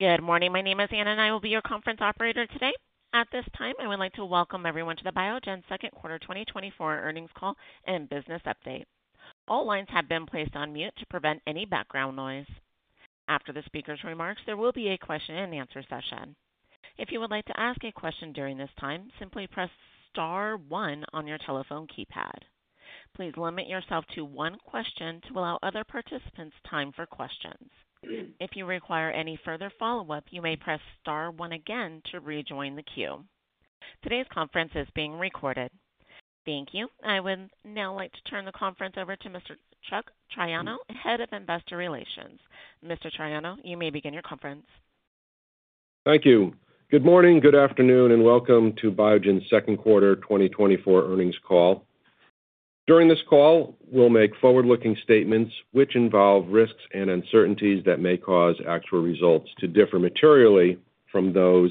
Good morning. My name is Anna, and I will be your conference operator today. At this time, I would like to welcome everyone to the Biogen Q2 2024 Earnings Call and Business Update. All lines have been placed on mute to prevent any background noise. After the speaker's remarks, there will be a question-and-answer session. If you would like to ask a question during this time, simply press Star one on your telephone keypad. Please limit yourself to one question to allow other participants time for questions. If you require any further follow-up, you may press Star one again to rejoin the queue. Today's conference is being recorded. Thank you. I would now like to turn the conference over to Mr. Chuck Triano, Head of Investor Relations. Mr. Triano, you may begin your conference. Thank you. Good morning, good afternoon, and welcome to Biogen's Q2 2024 Earnings Call. During this call, we'll make forward-looking statements which involve risks and uncertainties that may cause actual results to differ materially from those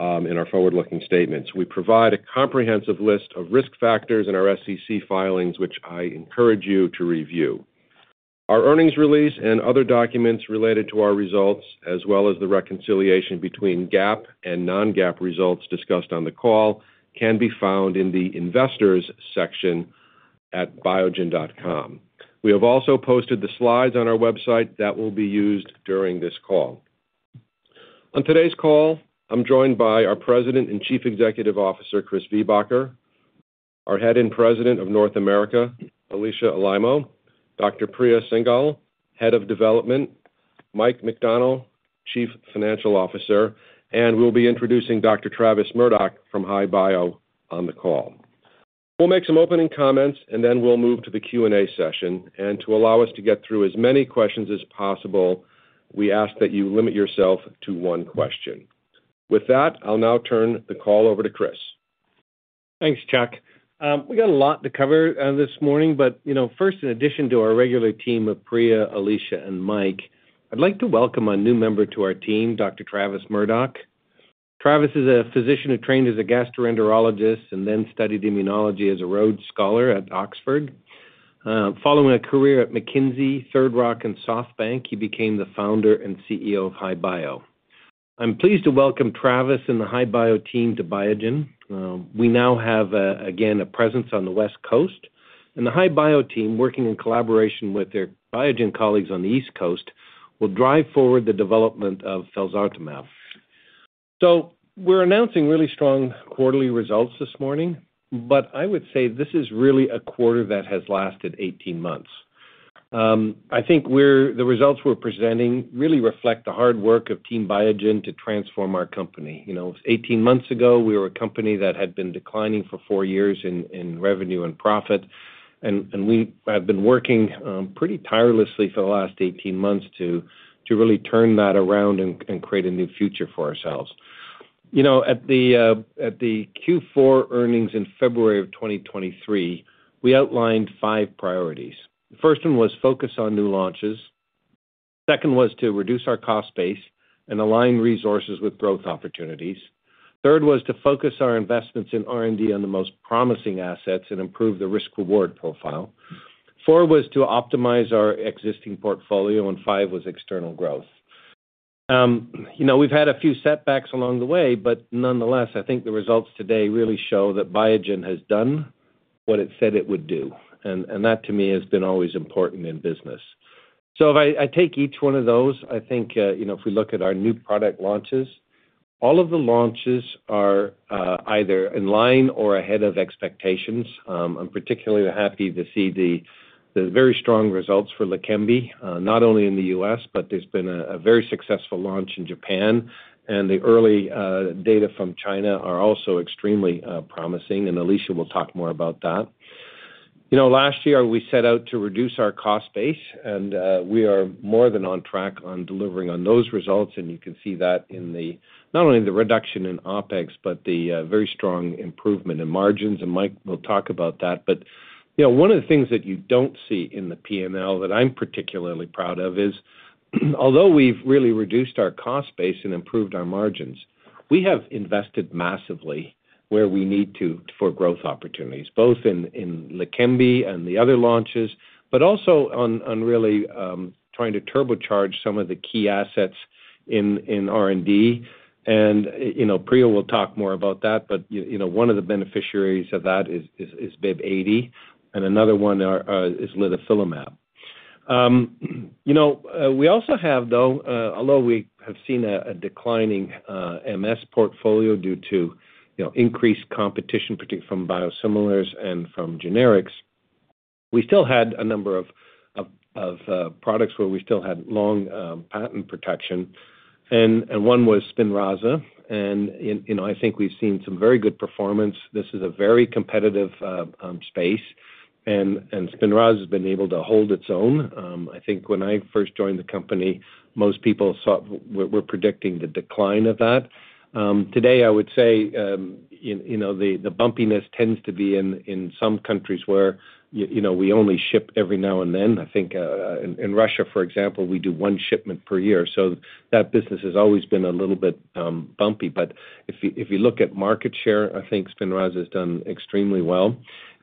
in our forward-looking statements. We provide a comprehensive list of risk factors in our SEC filings, which I encourage you to review. Our earnings release and other documents related to our results, as well as the reconciliation between GAAP and non-GAAP results discussed on the call, can be found in the Investors section at biogen.com. We have also posted the slides on our website that will be used during this call. On today's call, I'm joined by our President and Chief Executive Officer, Chris Viehbacher, our Head and President of North America, Alisha Alaimo, Dr. Priya Singhal, Head of Development, Mike McDonnell, Chief Financial Officer, and we'll be introducing Dr. Travis Murdoch from HI-Bio on the call. We'll make some opening comments, and then we'll move to the Q&A session. To allow us to get through as many questions as possible, we ask that you limit yourself to one question. With that, I'll now turn the call over to Chris. Thanks, Chuck. We got a lot to cover this morning, but, first, in addition to our regular team of Priya, Alisha, and Mike, I'd like to welcome a new member to our team, Dr. Travis Murdoch. Travis is a physician who trained as a gastroenterologist and then studied immunology as a Rhodes Scholar at Oxford. Following a career at McKinsey, Third Rock, and SoftBank, he became the founder and CEO of HI-Bio. I'm pleased to welcome Travis and the HI-Bio team to Biogen. We now have, again, a presence on the West Coast. And the HI-Bio team, working in collaboration with their Biogen colleagues on the East Coast, will drive forward the development of felzartumab. So, we're announcing really strong quarterly results this morning, but, I would say this is really a quarter that has lasted 18 months. I think the results we're presenting really reflect the hard work of Team Biogen to transform our company, 18 months ago, we were a company that had been declining for four years in revenue and profit, and we have been working pretty tirelessly for the last 18 months to really turn that around and create a new future for ourselves. At the Q4 earnings in February of 2023, we outlined five priorities. The first one was focus on new launches. The second was to reduce our cost base, and align resources with growth opportunities. Third was to focus our investments in R&D on the most promising assets and improve the risk-reward profile. Four was to optimize our existing portfolio, and five was external growth. We've had a few setbacks along the way, but, nonetheless, I think the results today really show that Biogen has done. What it said it would do, that, to me, has been always important in business. If I take each one of those, I think if we look at our new product launches, all of the launches are either in line or ahead of expectations. I'm particularly happy to see the very strong results for Leqembi, not only in the US, but there's been a very successful launch in Japan. And the early data from China are also extremely promising, and Alisha will talk more about that. Last year, we set out to reduce our cost base, and we are more than on track on delivering on those results and you can see that in not only the reduction in OpEx, but the very strong improvement in margins Mike will talk about that. But, one of the things that you don't see in the P&L that I'm particularly proud of is, although we've really reduced our cost base and improved our margins, we have invested massively where we need to for growth opportunities, both in LEQEMBI and the other launches, but, also on really trying to turbocharge some of the key assets in R&D. And Priya will talk more about that, but, one of the beneficiaries of that is BIIB080, and another one is litifilimab. We also have, though, although we have seen a declining MS portfolio due to increased competition, particularly from biosimilars and from generics, we still had a number of products where we still had long patent protection. And one was Spinraza. And, I think we've seen some very good performance. This is a very competitive space, and Spinraza has been able to hold its own. I think when I first joined the company, most people were predicting the decline of that. Today, I would say the bumpiness tends to be in some countries where we only ship every now and then i think in Russia, for example, we do one shipment per year so, that business has always been a little bit bumpy. But, if you look at market share, I think Spinraza has done extremely well.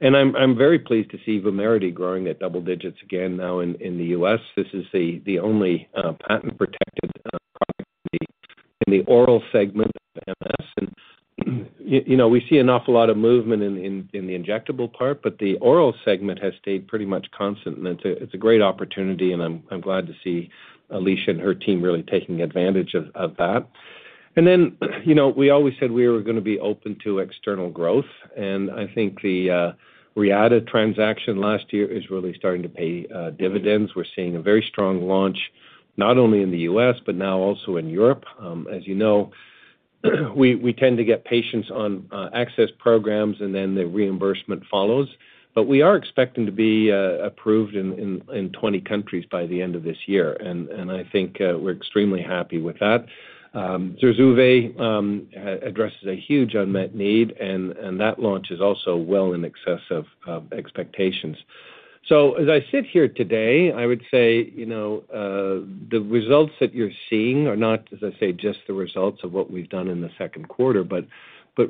And I'm very pleased to see Vumerity growing at double digits again now in the US. this is the only patent-protected product in the oral segment of MS. And we see an awful lot of movement in the injectable part, but, the oral segment has stayed pretty much constant it's a great opportunity, and I'm glad to see Alisha and her team really taking advantage of that. Then we always said we were going to be open to external growth. I think the Reata transaction last year is really starting to pay dividends we're seeing a very strong launch, not only in the US, but now also in Europe. As you know, we tend to get patients on access programs, and then the reimbursement follows. But, we are expecting to be approved in 20 countries by the end of this year. I think we're extremely happy with that. Zurzuvae addresses a huge unmet need, and that launch is also well in excess of expectations. So, as I sit here today, I would say the results that you're seeing are not, as I say, just the results of what we've done in the Q2, but,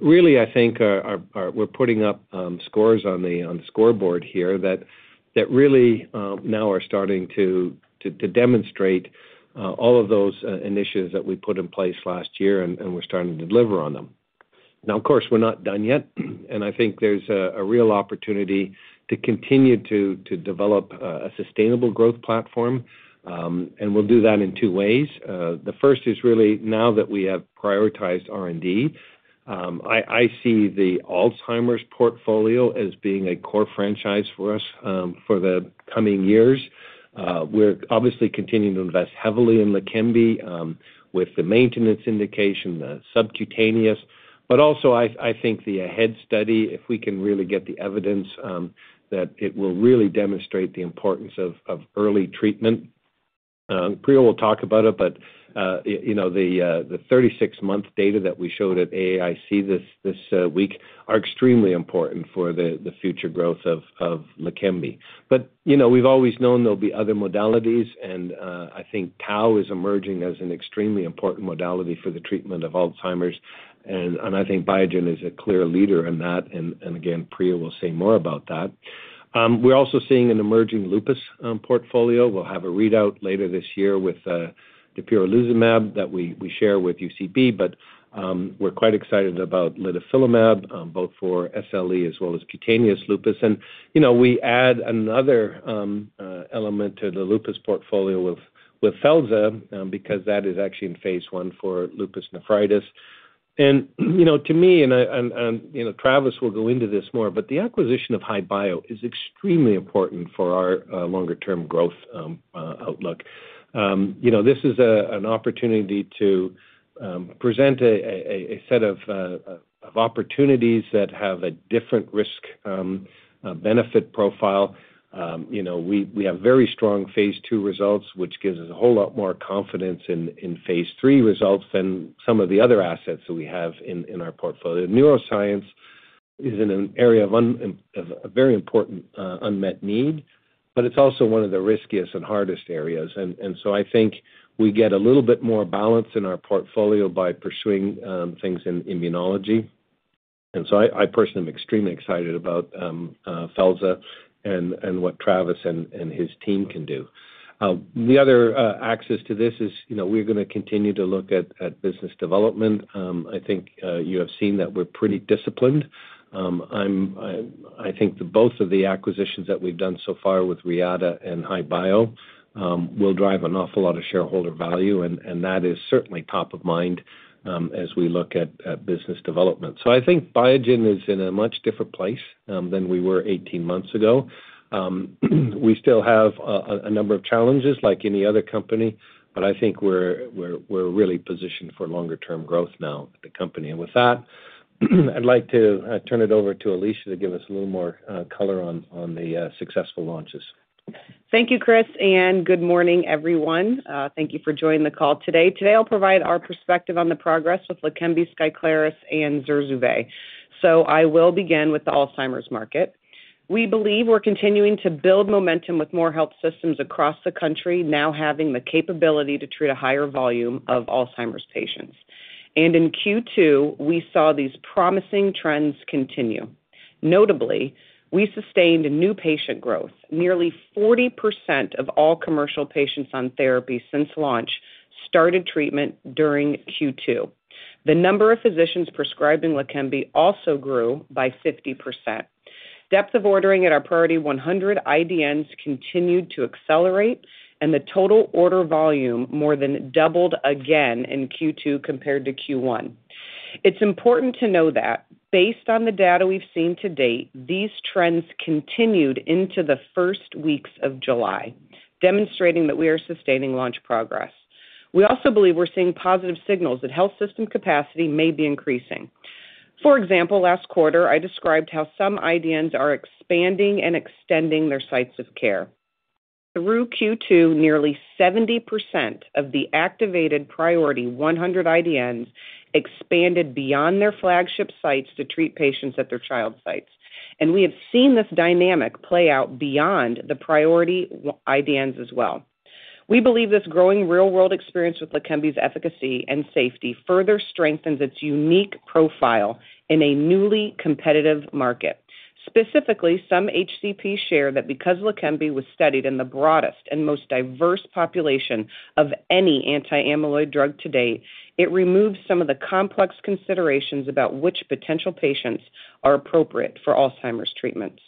really, I think we're putting up scores on the scoreboard here that really now are starting to demonstrate all of those initiatives that we put in place last year, and we're starting to deliver on them. Now, of course, we're not done yet, and I think there's a real opportunity to continue to develop a sustainable growth platform. And we'll do that in two ways. The first is really now that we have prioritized R&D, I see the Alzheimer's portfolio as being a core franchise for us for the coming years. We're obviously continuing to invest heavily in Leqembi with the maintenance indication, the subcutaneous. But, also, I think the head study, if we can really get the evidence that it will really demonstrate the importance of early treatment. Priya will talk about it, but, the 36-month data that we showed at AAIC this week are extremely important for the future growth of Leqembi. But, we've always known there'll be other modalities, and I think Tau is emerging as an extremely important modality for the treatment of Alzheimer's. And I think Biogen is a clear leader in thatnd again, Priya will say more about that. We're also seeing an emerging lupus portfolio. We'll have a readout later this year with the dapirolizumab pegol that we share with UCB. But, we're quite excited about litifilimab, both for SLE as well as cutaneous lupus, and we add another element to the lupus portfolio with felzartumab, because that is actually in phase one for lupus nephritis. To me, Travis will go into this more, but the acquisition of HI-Bio is extremely important for our longer-term growth outlook. This is an opportunity to present a set of opportunities that have a different risk-benefit profile. We have very strong phase II results, which gives us a whole lot more confidence phase III results than some of the other assets that we have in our portfolio, Neuroscience is in an area of very important unmet need, but, it's also one of the riskiest and hardest areas. So, I think we get a little bit more balance in our portfolio by pursuing things in immunology. So, I personally am extremely excited about felzartumab and what Travis and his team can do. The other axis to this is we're going to continue to look at business development. I think you have seen that we're pretty disciplined. I think both of the acquisitions that we've done so far with Reata and HI-Bio. Will drive an awful lot of shareholder value, and that is certainly top of mind as we look at business development. So, I think Biogen is in a much different place than we were 18 months ago. We still have a number of challenges, like any other company, but, I think we're really positioned for longer-term growth now at the company with that, I'd like to turn it over to Alisha to give us a little more color on the successful launches. Thank you, Chris, and good morning, everyone. Thank you for joining the call today, Today, I'll provide our perspective on the progress with Leqembi, SKYCLARYS, and Zurzuvae i will begin with the Alzheimer's market. We believe we're continuing to build momentum with more health systems across the country, now having the capability to treat a higher volume of Alzheimer's patients. In Q2, we saw these promising trends continue. Notably, we sustained new patient growth. Nearly 40% of all commercial patients on therapy since launch started treatment during Q2. The number of physicians prescribing Leqembi also grew by 50%. Depth of ordering at our priority 100 IDNs continued to accelerate, and the total order volume more than doubled again in Q2 compared to Q1. It's important to know that, based on the data we've seen to date, these trends continued into the first weeks of July, demonstrating that we are sustaining launch progress. We also believe we're seeing positive signals that health system capacity may be increasing. For example, last quarter, I described how some IDNs are expanding and extending their sites of care. Through Q2, nearly 70% of the activated priority 100 IDNs expanded beyond their flagship sites to treat patients at their child sites. And we have seen this dynamic play out beyond the priority IDNs as well. We believe this growing real-world experience with Leqembi's efficacy and safety further strengthens its unique profile in a newly competitive market. Specifically, some HCPs share that because Leqembi was studied in the broadest and most diverse population of any anti-amyloid drug to date, it removes some of the complex considerations about which potential patients are appropriate for Alzheimer's treatments.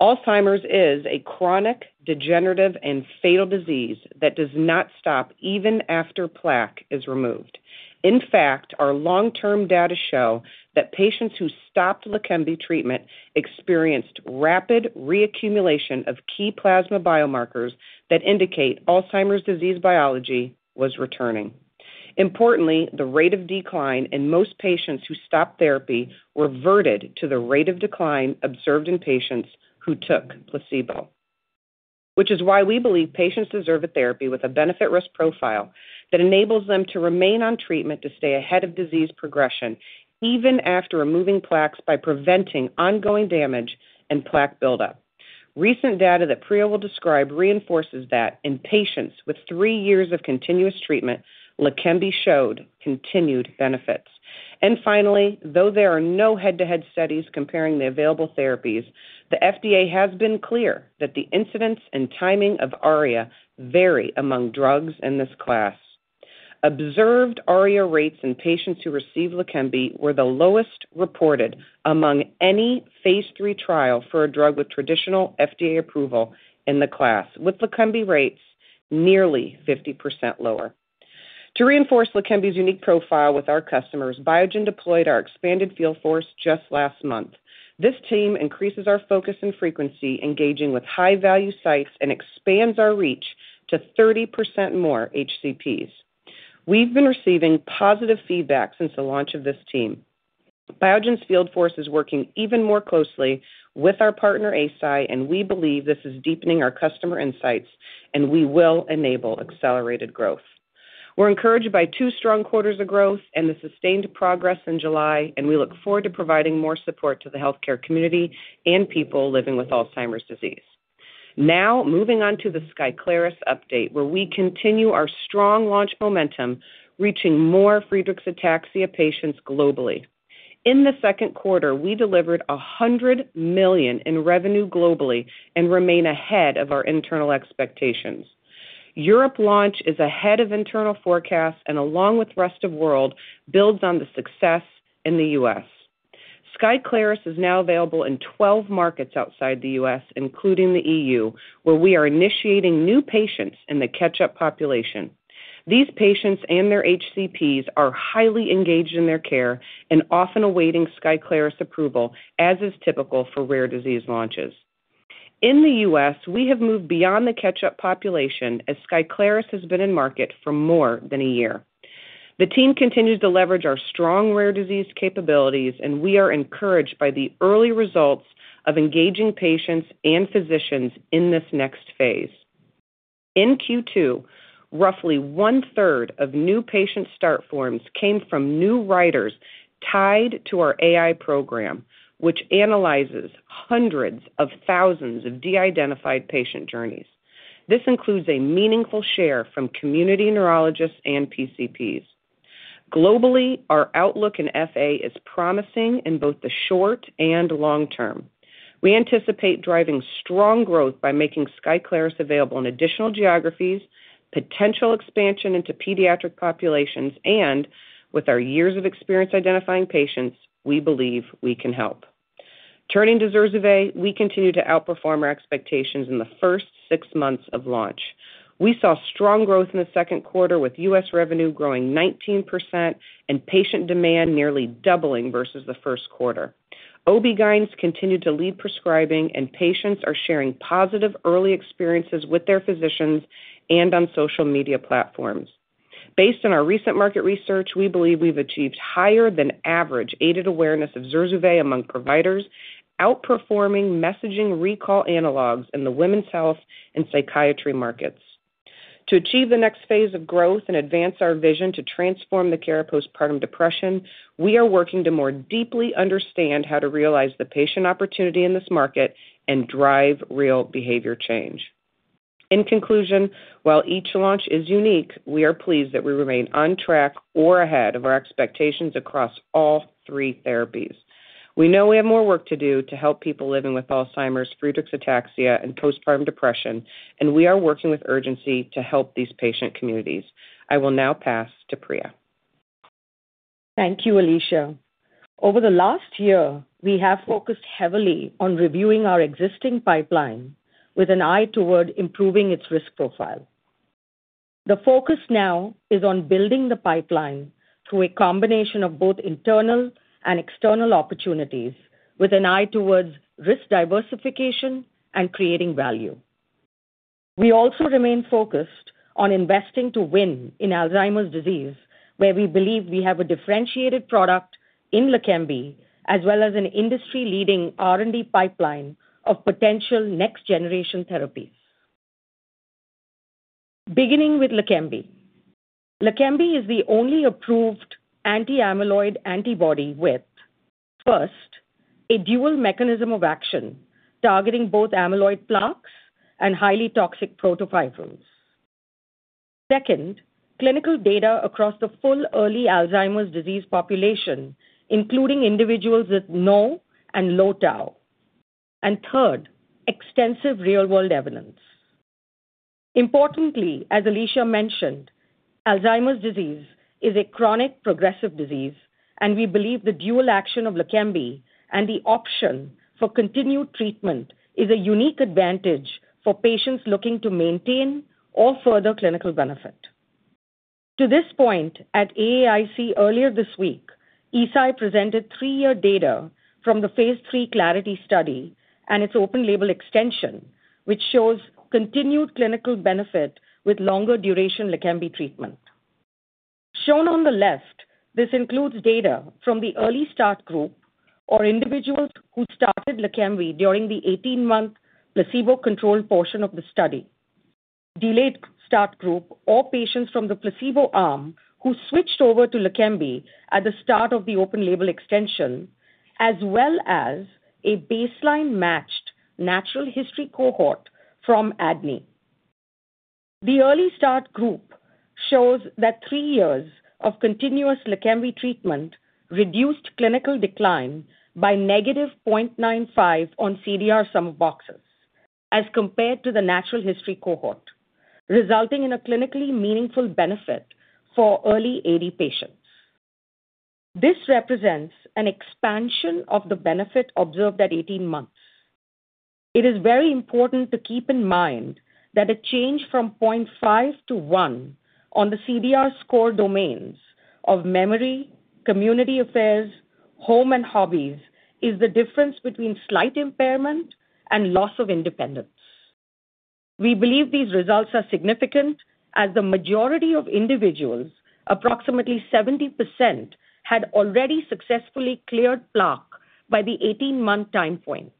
Alzheimer's is a chronic, degenerative, and fatal disease that does not stop even after plaque is removed. In fact, our long-term data show that patients who stopped Leqembi treatment experienced rapid reaccumulation of key plasma biomarkers that indicate Alzheimer's disease biology was returning. Importantly, the rate of decline in most patients who stopped therapy reverted to the rate of decline observed in patients who took placebo. Which is why we believe patients deserve a therapy with a benefit-risk profile that enables them to remain on treatment to stay ahead of disease progression, even after removing plaques by preventing ongoing damage and plaque buildup. Recent data that Priya will describe reinforces that in patients with three years of continuous treatment, Leqembi showed continued benefits. And finally, though there are no head-to-head studies comparing the available therapies, the FDA has been clear that the incidence and timing of ARIA vary among drugs in this class. Observed ARIA rates in patients who receive Leqembi were the lowest reported among any phase III trial for a drug with traditional FDA approval in the class, with Leqembi rates nearly 50% lower. To reinforce Leqembi's unique profile with our customers, Biogen deployed our expanded field force just last month. This team increases our focus and frequency, engaging with high-value sites and expands our reach to 30% more HCPs. We've been receiving positive feedback since the launch of this team. Biogen's field force is working even more closely with our partner, Eisai, and we believe this is deepening our customer insights, and we will enable accelerated growth. We're encouraged by two strong quarters of growth and the sustained progress in July, and we look forward to providing more support to the healthcare community and people living with Alzheimer's disease. Now, moving on to the SKYCLARYS update, where we continue our strong launch momentum, reaching more Friedreich's ataxia patients globally. In the Q2, we delivered $100 million in revenue globally and remain ahead of our internal expectations. Europe launch is ahead of internal forecasts, and along with the rest of the world, builds on the success in the US. SKYCLARYS is now available in 12 markets outside the US, including the EU, where we are initiating new patients in the catch-up population. These patients and their HCPs are highly engaged in their care and often awaiting SKYCLARYS approval, as is typical for rare disease launches. In the U.S., we have moved beyond the catch-up population as SKYCLARYS has been in market for more than a year. The team continues to leverage our strong rare disease capabilities, and we are encouraged by the early results of engaging patients and physicians in this next phase. In Q2, roughly 1/3 of new patient start forms came from new writers tied to our AI program, which analyzes hundreds of thousands of de-identified patient journeys. This includes a meaningful share from community neurologists and PCPs. Globally, our outlook in FA is promising in both the short and long term. We anticipate driving strong growth by making SKYCLARYS available in additional geographies, potential expansion into pediatric populations, and with our years of experience identifying patients, we believe we can help. Turning to Zurzuvae, we continue to outperform our expectations in the first six months of launch. We saw strong growth in the Q2, with U.S. revenue growing 19% and patient demand nearly doubling versus the Q1. OB-Gyns continued to lead prescribing, and patients are sharing positive early experiences with their physicians and on social media platforms. Based on our recent market research, we believe we've achieved higher-than-average aided awareness of Zurzuvae among providers, outperforming messaging recall analogs in the women's health and psychiatry markets. To achieve the next phase of growth and advance our vision to transform the care of postpartum depression, we are working to more deeply understand how to realize the patient opportunity in this market and drive real behavior change. In conclusion, while each launch is unique, we are pleased that we remain on track or ahead of our expectations across all three therapies. We know we have more work to do to help people living with Alzheimer's, Friedreich's ataxia, and postpartum depression, and we are working with urgency to help these patient communities. I will now pass to Priya. Thank you, Alisha. Over the last year, we have focused heavily on reviewing our existing pipeline. With an eye toward improving its risk profile. The focus now is on building the pipeline through a combination of both internal and external opportunities, with an eye towards risk diversification and creating value. We also remain focused on investing to win in Alzheimer's disease, where we believe we have a differentiated product in Leqembi, as well as an industry-leading R&D pipeline of potential next-generation therapies. Beginning with Leqembi. Leqembi is the only approved anti-amyloid antibody with, first, a dual mechanism of action targeting both amyloid plaques and highly toxic protofibrils. Second, clinical data across the full early Alzheimer's disease population, including individuals with no and low Tau. And third, extensive real-world evidence. Importantly, as Alisha mentioned, Alzheimer's disease is a chronic progressive disease, and we believe the dual action of Leqembi and the option for continued treatment is a unique advantage for patients looking to maintain or further clinical benefit. To this point, at AAIC earlier this week, Eisai presented 3-year data from phase III clarity AD study and its open-label extension, which shows continued clinical benefit with longer-duration Leqembi treatment. Shown on the left, this includes data from the early start group, or individuals who started Leqembi during the 18-month placebo-controlled portion of the study, delayed start group, or patients from the placebo arm who switched over to Leqembi at the start of the open-label extension, as well as a baseline-matched natural history cohort from ADNI. The early start group shows that three years of continuous Leqembi treatment reduced clinical decline by negative 0.95 on CDR sum of boxes. As compared to the natural history cohort, resulting in a clinically meaningful benefit for early AD patients. This represents an expansion of the benefit observed at 18 months. It is very important to keep in mind that a change from 0.5-1 on the CDR score domains of memory, community affairs, home, and hobbies is the difference between slight impairment and loss of independence. We believe these results are significant as the majority of individuals, approximately 70%, had already successfully cleared plaque by the 18-month time point.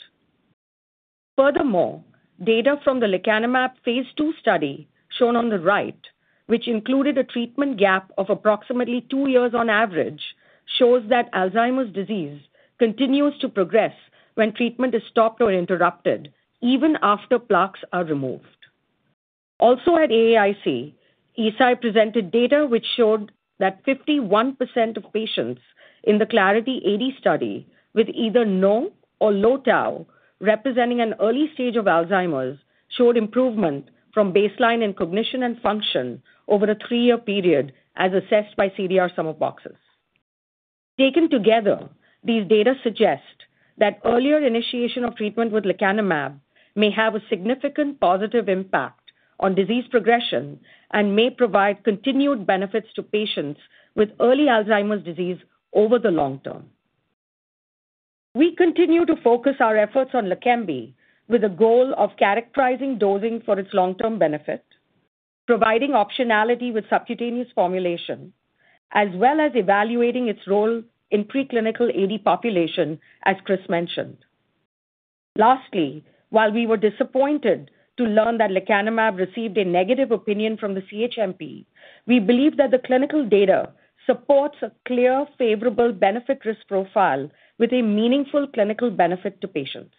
Furthermore, data from the Leqembi phase II study shown on the right, which included a treatment gap of approximately two years on average, shows that Alzheimer's disease continues to progress when treatment is stopped or interrupted, even after plaques are removed. Also, at AAIC, Eisai presented data which showed that 51% of patients. In the Clarity AD study, with either no or low Tau, representing an early stage of Alzheimer's, showed improvement from baseline in cognition and function over a three-year period as assessed by CDR sum of boxes. Taken together, these data suggest that earlier initiation of treatment with Leqembi may have a significant positive impact on disease progression and may provide continued benefits to patients with early Alzheimer's disease over the long term. We continue to focus our efforts on Leqembi with a goal of characterizing dosing for its long-term benefit, providing optionality with subcutaneous formulation, as well as evaluating its role in preclinical AD population, as Chris mentioned. Lastly, while we were disappointed to learn that Leqembi received a negative opinion from the CHMP, we believe that the clinical data supports a clear favorable benefit-risk profile with a meaningful clinical benefit to patients.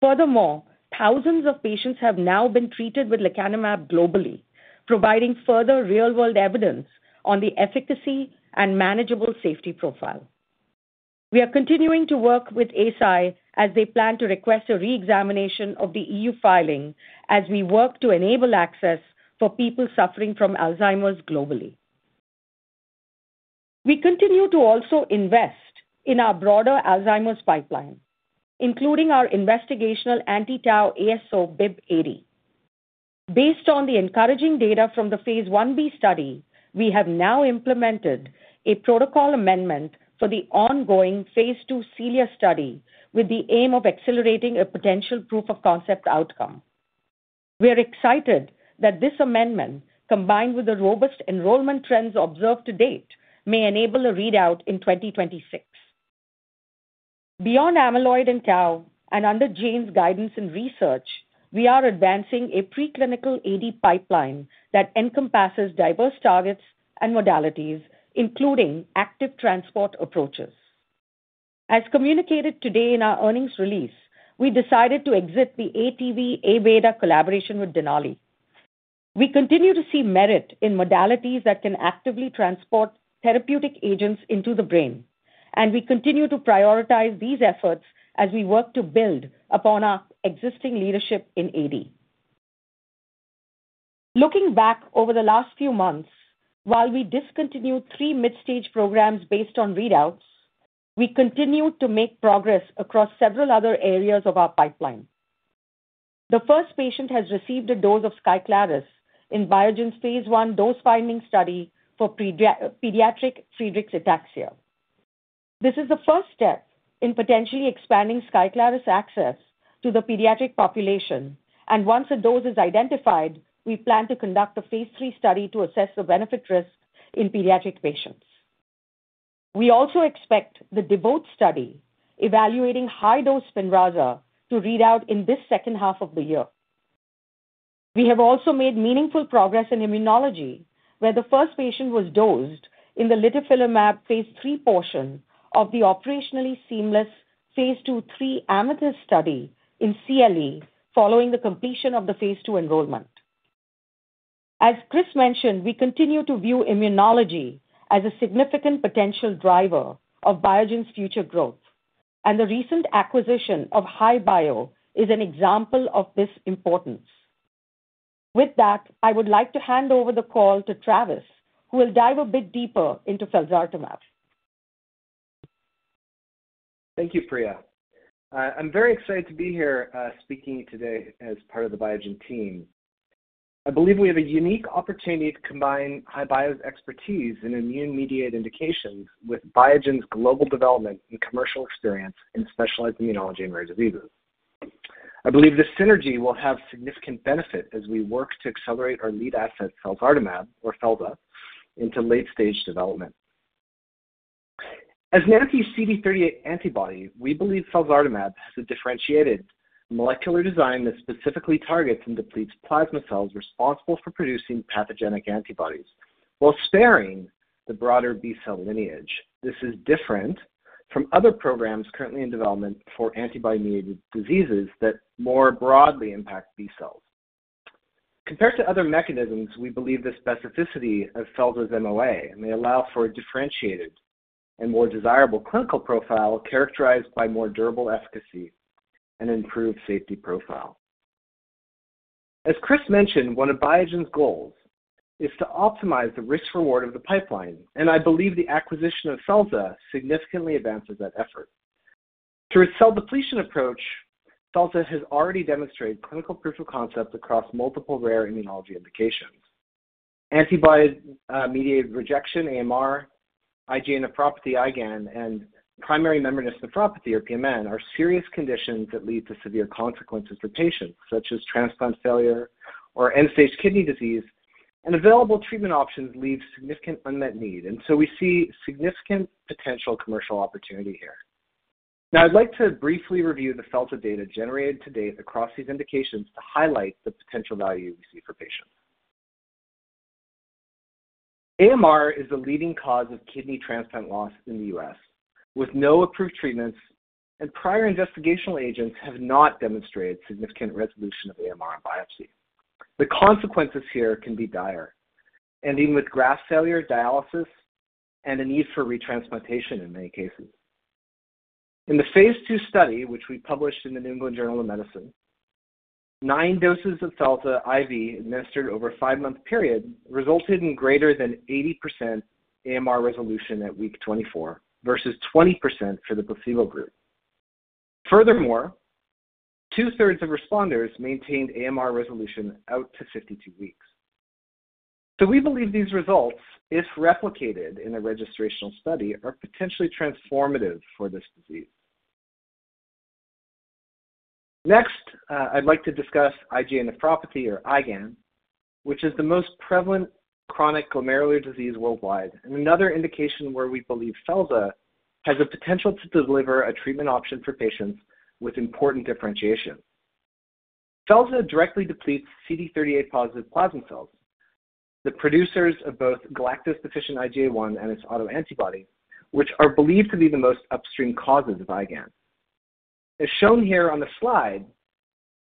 Furthermore, thousands of patients have now been treated with Leqembi globally, providing further real-world evidence on the efficacy and manageable safety profile. We are continuing to work with Eisai as they plan to request a re-examination of the EU filing as we work to enable access for people suffering from Alzheimer's globally. We continue to also invest in our broader Alzheimer's pipeline, including our investigational anti-Tau ASO BIIB080. Based on the encouraging data from the phase Ib study, we have now implemented a protocol amendment for the ongoing phase 2 CELIA study with the aim of accelerating a potential proof of concept outcome. We are excited that this amendment, combined with the robust enrollment trends observed to date, may enable a readout in 2026. Beyond amyloid and Tau, and under Jane's guidance and research, we are advancing a preclinical ASO pipeline that encompasses diverse targets and modalities, including active transport approaches. As communicated today in our earnings release, we decided to exit the ATV Abeta collaboration with Denali. We continue to see merit in modalities that can actively transport therapeutic agents into the brain, and we continue to prioritize these efforts as we work to build upon our existing leadership in ASO. Looking back over the last few months, while we discontinued three mid-stage programs based on readouts, we continue to make progress across several other areas of our pipeline. The first patient has received a dose of SKYCLARYS in Biogen's phase one dose-finding study for pediatric Friedreich's ataxia. This is the first step in potentially expanding SKYCLARYS access to the pediatric population, and once a dose is identified, we plan to conduct a phase III study to assess the benefit-risk in pediatric patients. We also expect the DEVOTE study evaluating high-dose Spinraza to readout in this second half of the year. We have also made meaningful progress in immunology, where the first patient was dosed in the litifilimab phase III portion of the operationally seamless phase II/three AMETHYST study in CLE following the completion of the phase II enrollment. As Chris mentioned, we continue to view immunology as a significant potential driver of Biogen's future growth, and the recent acquisition ofHI-Bio is an example of this importance. With that, I would like to hand over the call to Travis, who will dive a bit deeper into felzartumab. Thank you, Priya. I'm very excited to be here speaking today as part of the Biogen team. I believe we have a unique opportunity to combineHI-Bio's expertise in immune-mediated indications with Biogen's global development and commercial experience in specialized immunology and rare diseases. I believe this synergy will have significant benefit as we work to accelerate our lead asset, felzartumab, or Felda, into late-stage development. As a novel anti-CD38 antibody, we believe felzartumab has a differentiated molecular design that specifically targets and depletes plasma cells responsible for producing pathogenic antibodies. While sparing the broader B cell lineage, this is different from other programs currently in development for antibody-mediated diseases that more broadly impact B cells. Compared to other mechanisms, we believe the specificity of felzartumab's MOA may allow for a differentiated and more desirable clinical profile characterized by more durable efficacy and an improved safety profile. As Chris mentioned, one of Biogen's goals. Is to optimize the risk-reward of the pipeline, and I believe the acquisition of felzartumab significantly advances that effort. Through its cell depletion approach, felzartumab has already demonstrated clinical proof of concept across multiple rare immunology indications. Antibody-mediated rejection, AMR, IgA nephropathy, IgAN, and primary membranous nephropathy, or PMN, are serious conditions that lead to severe consequences for patients, such as transplant failure or end-stage kidney disease, and available treatment options leave significant unmet need and so we see significant potential commercial opportunity here. Now, I'd like to briefly review the felzartumab data generated to date across these indications to highlight the potential value we see for patients. AMR is the leading cause of kidney transplant loss in the U.S., with no approved treatments, and prior investigational agents have not demonstrated significant resolution of AMR biopsy. The consequences here can be dire, ending with graft failure, dialysis, and a need for retransplantation in many cases. In the phase II study, which we published in the New England Journal of Medicine, 9 doses of felzartumab IV administered over a 5-month period resulted in greater than 80% AMR resolution at week 24 versus 20% for the placebo group. Furthermore, 2/3s of responders maintained AMR resolution out to 52 weeks. So, we believe these results, if replicated in a registrational study, are potentially transformative for this disease. Next, I'd like to discuss IgA nephropathy, or IgAN, which is the most prevalent chronic glomerular disease worldwide, and another indication where we believe felzartumab has the potential to deliver a treatment option for patients with important differentiation. Felda directly depletes CD38-positive plasma cells, the producers of both galactose-deficient IgA1 and its autoantibody, which are believed to be the most upstream causes of IgAN. As shown here on the slide,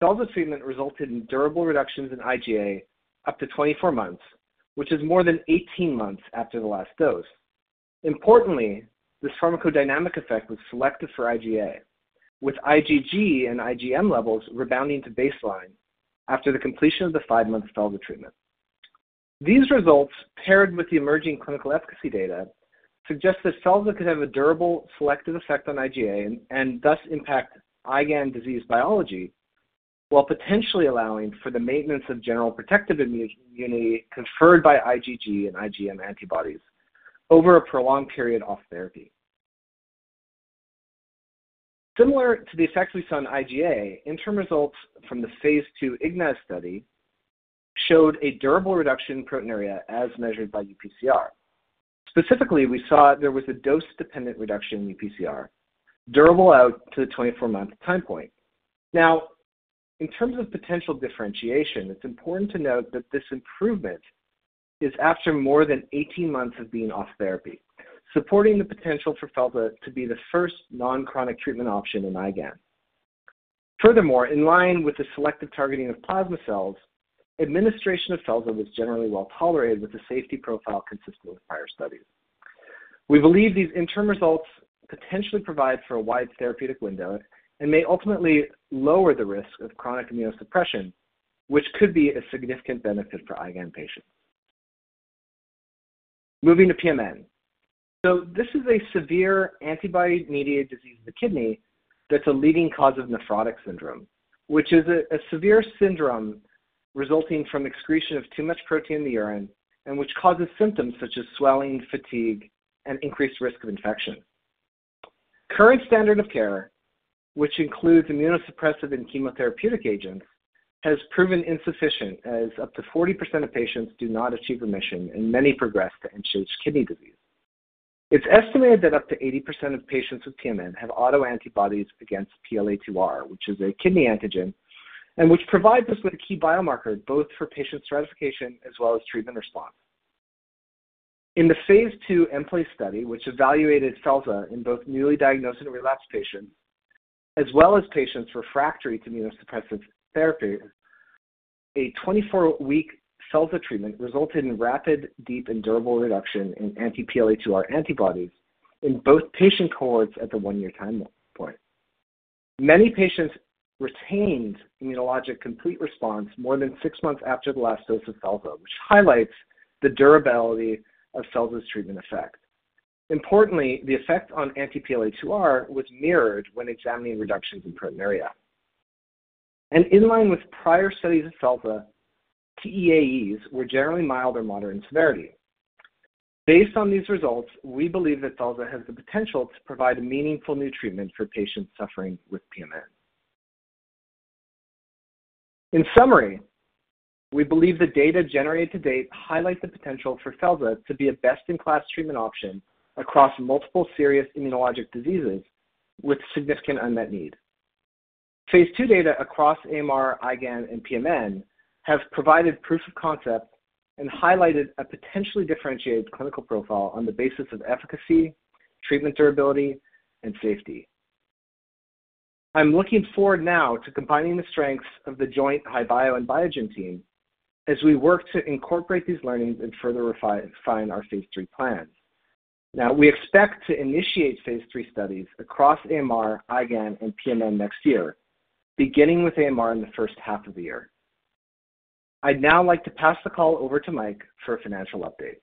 Felda treatment resulted in durable reductions in IgA up to 24 months, which is more than 18 months after the last dose. Importantly, this pharmacodynamic effect was selective for IgA, with IgG and IgM levels rebounding to baseline after the completion of the five-month Felda treatment. These results, paired with the emerging clinical efficacy data, suggest that Felda could have a durable selective effect on IgA and thus impact IgAN disease biology. While potentially allowing for the maintenance of general protective immunity conferred by IgG and IgM antibodies. Over a prolonged period off therapy. Similar to the effects we saw in IgA, interim results from the phase II IGNAZ study showed a durable reduction in proteinuria as measured by UPCR. Specifically, we saw there was a dose-dependent reduction in UPCR, durable out to the 24-month time point. Now, in terms of potential differentiation, it's important to note that this improvement is after more than 18 months of being off therapy, supporting the potential for Felda to be the first non-chronic treatment option in IgAN. Furthermore, in line with the selective targeting of plasma cells, administration of Felda was generally well tolerated with a safety profile consistent with prior studies. We believe these interim results potentially provide for a wide therapeutic window and may ultimately lower the risk of chronic immunosuppression, which could be a significant benefit for IgAN patients. Moving to PMN. So, this is a severe antibody-mediated disease of the kidney that's a leading cause of nephrotic syndrome, which is a severe syndrome resulting from excretion of too much protein in the urine and which causes symptoms such as swelling, fatigue, and increased risk of infection. Current standard of care, which includes immunosuppressive and chemotherapeutic agents, has proven insufficient as up to 40% of patients do not achieve remission and many progress to end-stage kidney disease. It's estimated that up to 80% of patients with PMN have autoantibodies against PLA2R, which is a kidney antigen, and which provides us with a key biomarker both for patient stratification as well as treatment response. In the phase II M-PLACE study, which evaluated felzartumab in both newly diagnosed and relapsed patients as well as patients refractory to immunosuppressive therapy, a 24-week felzartumab treatment resulted in rapid, deep, and durable reduction in anti-PLA2R antibodies. In both patient cohorts at the 1-year time point. Many patients retained immunologic complete response more than 6 months after the last dose of felzartumab, which highlights the durability of felzartumab's treatment effect. Importantly, the effect on anti-PLA2R was mirrored when examining reductions in proteinuria. And in line with prior studies of felzartumab, TEAEs were generally mild or moderate in severity. Based on these results, we believe that felzartumab has the potential to provide a meaningful new treatment for patients suffering with PMN. In summary, we believe the data generated to date highlights the potential for felzartumab to be a best-in-class treatment option across multiple serious immunologic diseases with significant unmet need. phase II data across AMR, IgAN, and PMN, have provided proof of concept and highlighted a potentially differentiated clinical profile on the basis of efficacy, treatment durability, and safety. I'm looking forward now to combining the strengths of the joint HI-Bio and Biogen team. As we work to incorporate these learnings and further refine our phase III plans. Now, we expect to initiate phase III studies across AMR, IgAN, and PMN next year, beginning with AMR in the first half of the year. I'd now like to pass the call over to Mike for a financial update.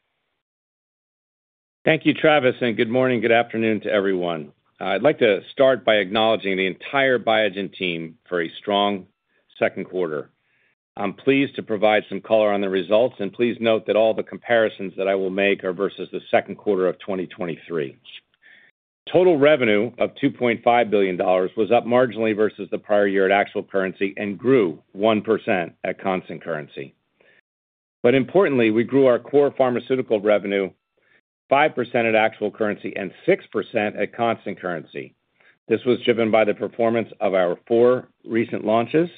Thank you, Travis, and good morning, good afternoon to everyone. I'd like to start by acknowledging the entire Biogen team for a strong Q2. I'm pleased to provide some color on the results, and please note that all the comparisons that I will make are versus the Q2 of 2023. Total revenue of $2.5 billion was up marginally versus the prior year at actual currency and grew 1% at constant currency. But importantly, we grew our core pharmaceutical revenue, 5% at actual currency and 6% at constant currency. This was driven by the performance of our four recent launches,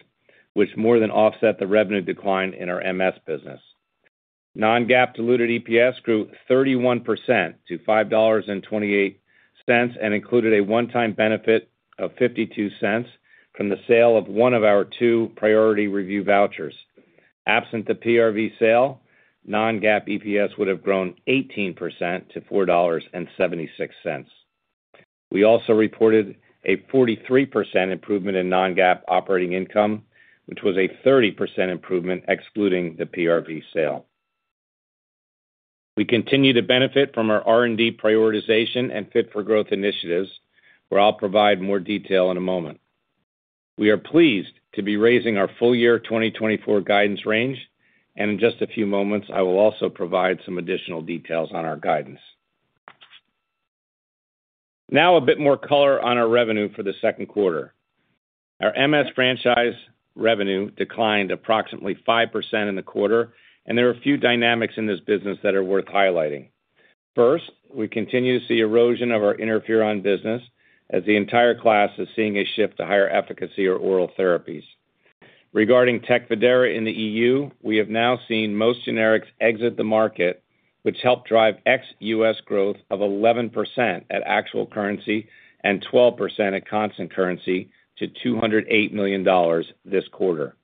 which more than offset the revenue decline in our MS business. Non-GAAP diluted EPS grew 31% to $5.28 and included a one-time benefit of $0.52 from the sale of one of our two priority review vouchers. Absent the PRV sale, non-GAAP EPS would have grown 18% to $4.76. We also reported a 43% improvement in non-GAAP operating income, which was a 30% improvement excluding the PRV sale. We continue to benefit from our R&D prioritization and fit for growth initiatives, where I'll provide more detail in a moment. We are pleased to be raising our full-year 2024 guidance range, and in just a few moments, I will also provide some additional details on our guidance. Now, a bit more color on our revenue for the Q2. Our MS franchise revenue declined approximately 5% in the quarter, and there are a few dynamics in this business that are worth highlighting. First, we continue to see erosion of our interferon business as the entire class is seeing a shift to higher efficacy or oral therapies. Regarding Tecfidera in the EU, we have now seen most generics exit the market, which helped drive ex-US growth of 11% at actual currency and 12% at constant currency to $208 million this quarter.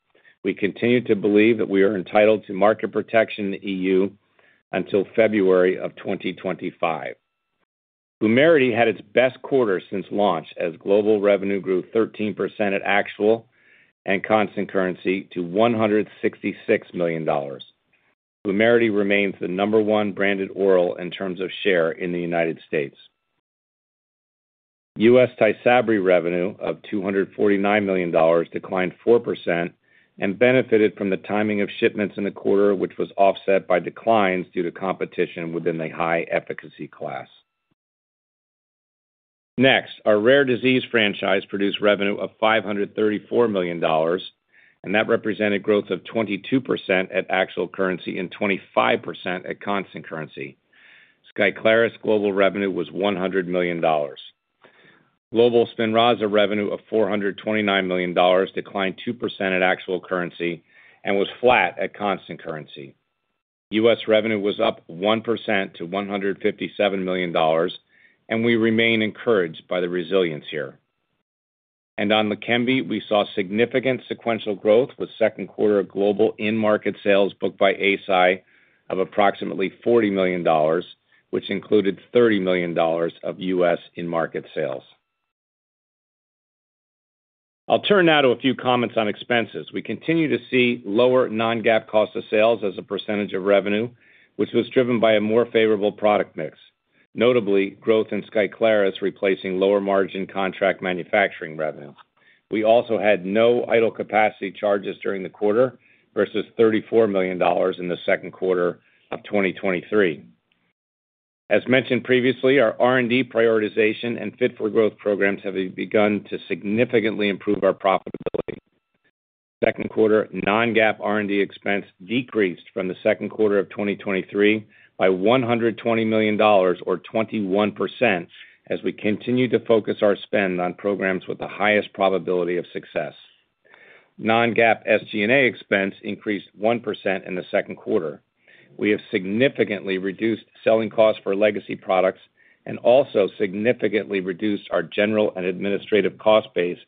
We continue to believe that we are entitled to market protection in the EU until February of 2025. Vumerity had its best quarter since launch as global revenue grew 13% at actual, and constant currency to $166 million. Vumerity remains the number one branded oral in terms of share in the United States. US Tysabri revenue of $249 million declined 4% and benefited from the timing of shipments in the quarter, which was offset by declines due to competition within the high efficacy class. Next, our rare disease franchise produced revenue of $534 million, and that represented growth of 22% at actual currency and 25% at constant currency. SKYCLARYS global revenue was $100 million. Global Spinraza revenue of $429 million declined 2% at actual currency and was flat at constant currency. US revenue was up 1% to $157 million, and we remain encouraged by the resilience here. On LEQEMBI, we saw significant sequential growth with Q2 global in-market sales booked by Eisai of approximately $40 million, which included $30 million of US in-market sales. I'll turn now to a few comments on expenses we continue to see lower non-GAAP cost of sales as a percentage of revenue, which was driven by a more favorable product mix, notably growth in SKYCLARYS replacing lower margin contract manufacturing revenue. We also had no idle capacity charges during the quarter versus $34 million in the Q2 of 2023. As mentioned previously, our R&D prioritization and fit for growth programs have begun to significantly improve our profitability. Q2, non-GAAP R&D expense decreased from the Q2 of 2023 by $120 million, or 21%, as we continue to focus our spend on programs with the highest probability of success. Non-GAAP SG&A expense increased 1% in the Q2. We have significantly reduced selling costs for legacy products and also significantly reduced our general and administrative cost base,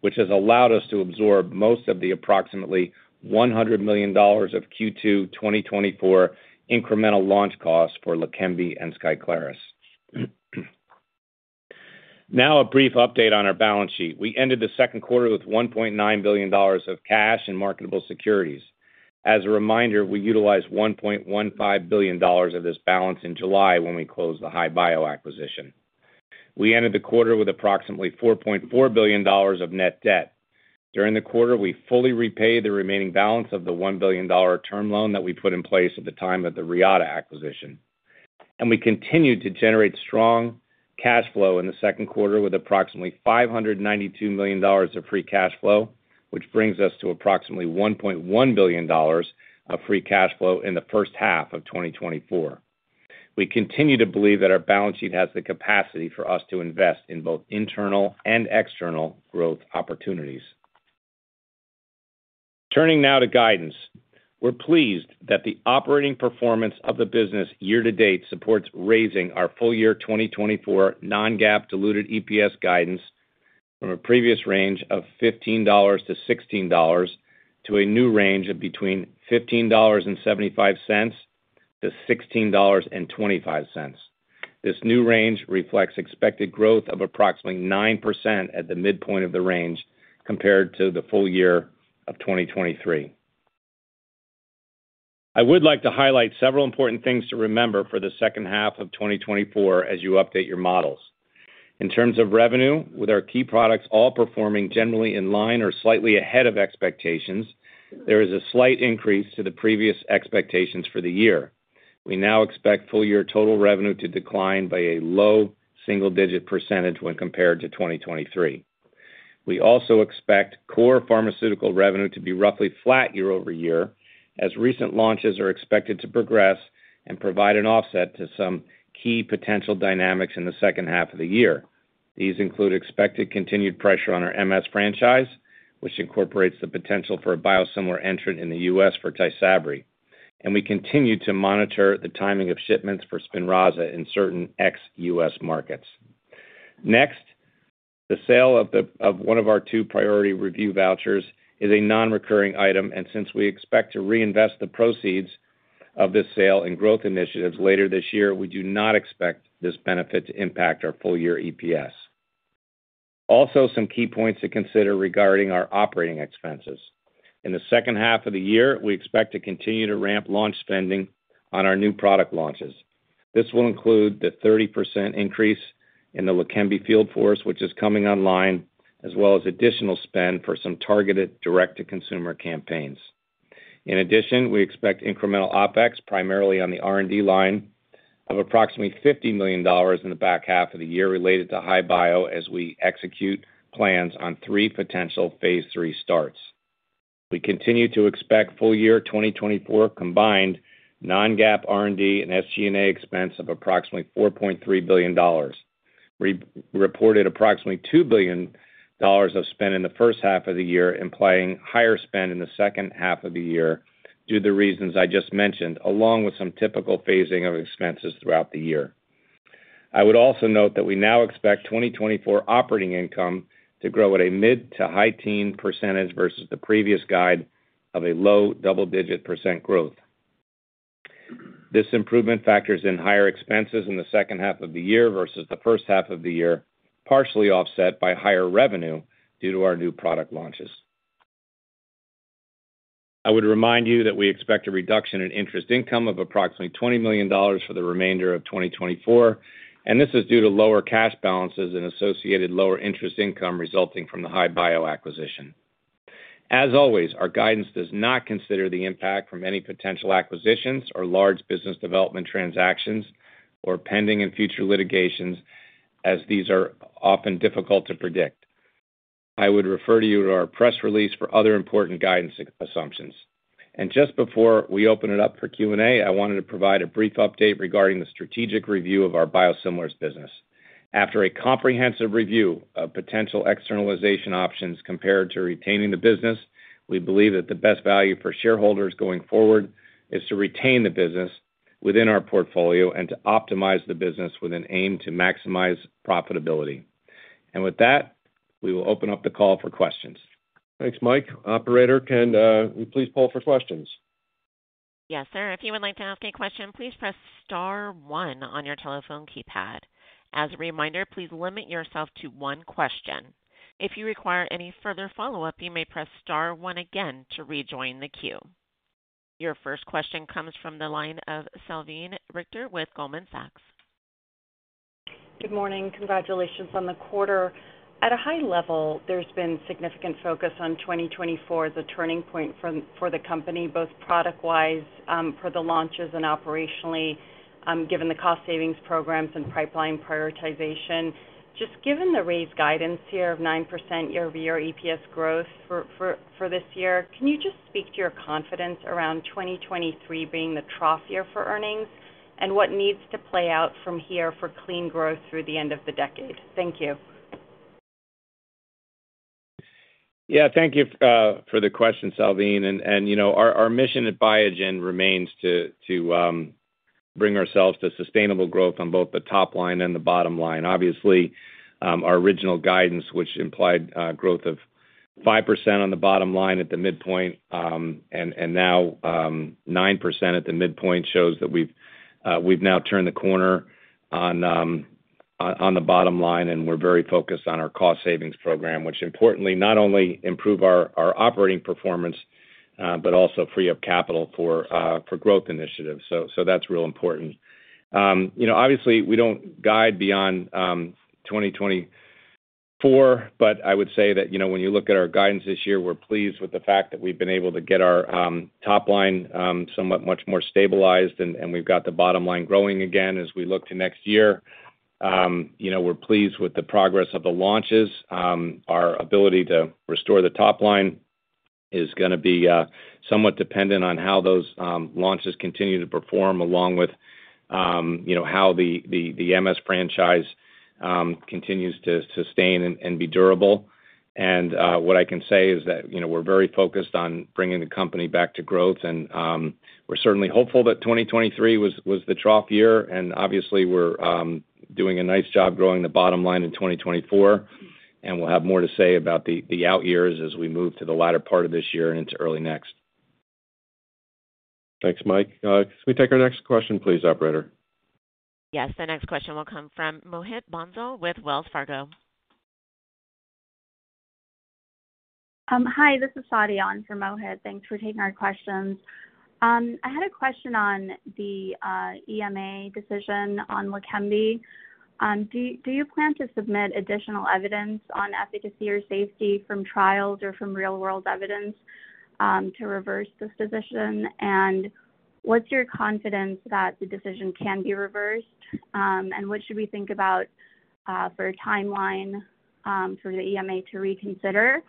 which has allowed us to absorb most of the approximately $100 million of Q2 2024 incremental launch costs for McKenzie and Skyclarys. Now, a brief update on our balance sheet we ended the Q2 with $1.9 billion of cash and marketable securities. As a reminder, we utilized $1.15 billion of this balance in July when we closed theHI-Bio acquisition. We ended the quarter with approximately $4.4 billion of net debt. During the quarter, we fully repaid the remaining balance of the $1 billion term loan that we put in place at the time of the Reata acquisition. We continued to generate strong, cash flow in the Q2 with approximately $592 million of free cash flow, which brings us to approximately $1.1 billion of free cash flow in the first half of 2024. We continue to believe that our balance sheet has the capacity for us to invest in both internal and external growth opportunities. Turning now to guidance, we're pleased that the operating performance of the business year to date supports raising our full year 2024 non-GAAP diluted EPS guidance from a previous range of $15-$16 to a new range of between $15.75-$16.25. This new range reflects expected growth of approximately 9% at the midpoint of the range compared to the full year of 2023. I would like to highlight several important things to remember for the second half of 2024 as you update your models. In terms of revenue, with our key products all performing generally in line or slightly ahead of expectations, there is a slight increase to the previous expectations for the year. We now expect full year total revenue to decline by a low single-digit % when compared to 2023. We also expect core pharmaceutical revenue to be roughly flat year-over-year as recent launches are expected to progress and provide an offset to some key potential dynamics in the second half of the year. These include expected continued pressure on our MS franchise. Which incorporates the potential for a biosimilar entrant in the U.S. for Tysabri, and we continue to monitor the timing of shipments for Spinraza in certain ex-U.S. markets. Next, the sale of one of our two priority review vouchers is a non-recurring item, and since we expect to reinvest the proceeds of this sale in growth initiatives later this year, we do not expect this benefit to impact our full year EPS. Also, some key points to consider regarding our operating expenses. In the second half of the year, we expect to continue to ramp launch spending on our new product launches. This will include the 30% increase in the LEQEMBI Field Force, which is coming online, as well as additional spend for some targeted direct-to-consumer campaigns. In addition, we expect incremental OpEx, primarily on the R&D line, of approximately $50 million in the back half of the year related toHI-Bio as we execute plans on three potential phase III starts. We continue to expect full year 2024 combined non-GAAP R&D and SG&A expense of approximately $4.3 billion. We reported approximately $2 billion of spend in the first half of the year, implying higher spend in the second half of the year due to the reasons I just mentioned, along with some typical phasing of expenses throughout the year. I would also note that we now expect 2024 operating income, to grow at a mid- to high-teens % versus the previous guide of a low double-digit % growth. This improvement factors in higher expenses in the second half of the year versus the first half of the year, partially offset by higher revenue due to our new product launches. I would remind you that we expect a reduction in interest income of approximately $20 million for the remainder of 2024, and this is due to lower cash balances and associated lower interest income resulting from the HI-Bio acquisition. As always, our guidance does not consider the impact from any potential acquisitions or large business development transactions or pending and future litigations, as these are often difficult to predict. I would refer you to our press release for other important guidance assumptions. Just before we open it up for Q&A, I wanted to provide a brief update regarding the strategic review of our biosimilars business. After a comprehensive review of potential externalization options compared to retaining the business, we believe that the best value for shareholders going forward, is to retain the business, within our portfolio and to optimize the business with an aim to maximize profitability. With that, we will open up the call for questions. Thanks, Mike. Operator, can you please poll for questions? Yes, sir. If you would like to ask a question, please press star one on your telephone keypad. As a reminder, please limit yourself to one question. If you require any further follow-up, you may press star one again to rejoin the queue. Your first question comes from the line of Salveen Richter with Goldman Sachs. Good morning. Congratulations on the quarter. At a high level, there's been significant focus on 2024 as a turning point for the company, both product-wise for the launches and operationally, given the cost savings programs and pipeline prioritization. Just given the raised guidance here of 9% year-over-year EPS growth for this year, can you just speak to your confidence around 2023 being the trough year for earnings? and what needs to play out from here for clean growth through the end of the decade? Thank you. Yeah, thank you for the question, Salveen. Our mission at Biogen remains to, bring ourselves to sustainable growth on both the top line and the bottom line obviously, our original guidance, which implied growth of 5% on the bottom line at the midpoint and now 9% at the midpoint, shows that we've now turned the corner, on the bottom line, and we're very focused on our cost savings program, which importantly not only improves our operating performance, but, also frees up capital for growth initiatives so, that's real important. Obviously, we don't guide beyond 2024, but, I would say that when you look at our guidance this year, we're pleased with the fact that we've been able to get our top line somewhat much more stabilized, and we've got the bottom line growing again as we look to next year. We're pleased with the progress of the launches. Our ability to restore the top line, is going to be somewhat dependent on how those launches continue to perform, along with how the MS franchise continues to sustain and be durable. What I can say is that we're very focused on bringing the company back to growth, and we're certainly hopeful that 2023 was the trough year obviously, we're doing a nice job growing the bottom line in 2024, and we'll have more to say about the out years as we move to the latter part of this year and into early next. Thanks, Mike. Can we take our next question, please, Operator? Yes. The next question will come from Mohit Bansal with Wells Fargo. Hi, this is Sadia from Mohit. Thanks for taking our questions. I had a question on the EMA decision on LEQEMBI. Do you plan to submit additional evidence on efficacy or safety from trials or from real-world evidence? to reverse this decision? And, what's your confidence that the decision can be reversed? And what should we think about for a timeline for the EMA to reconsider?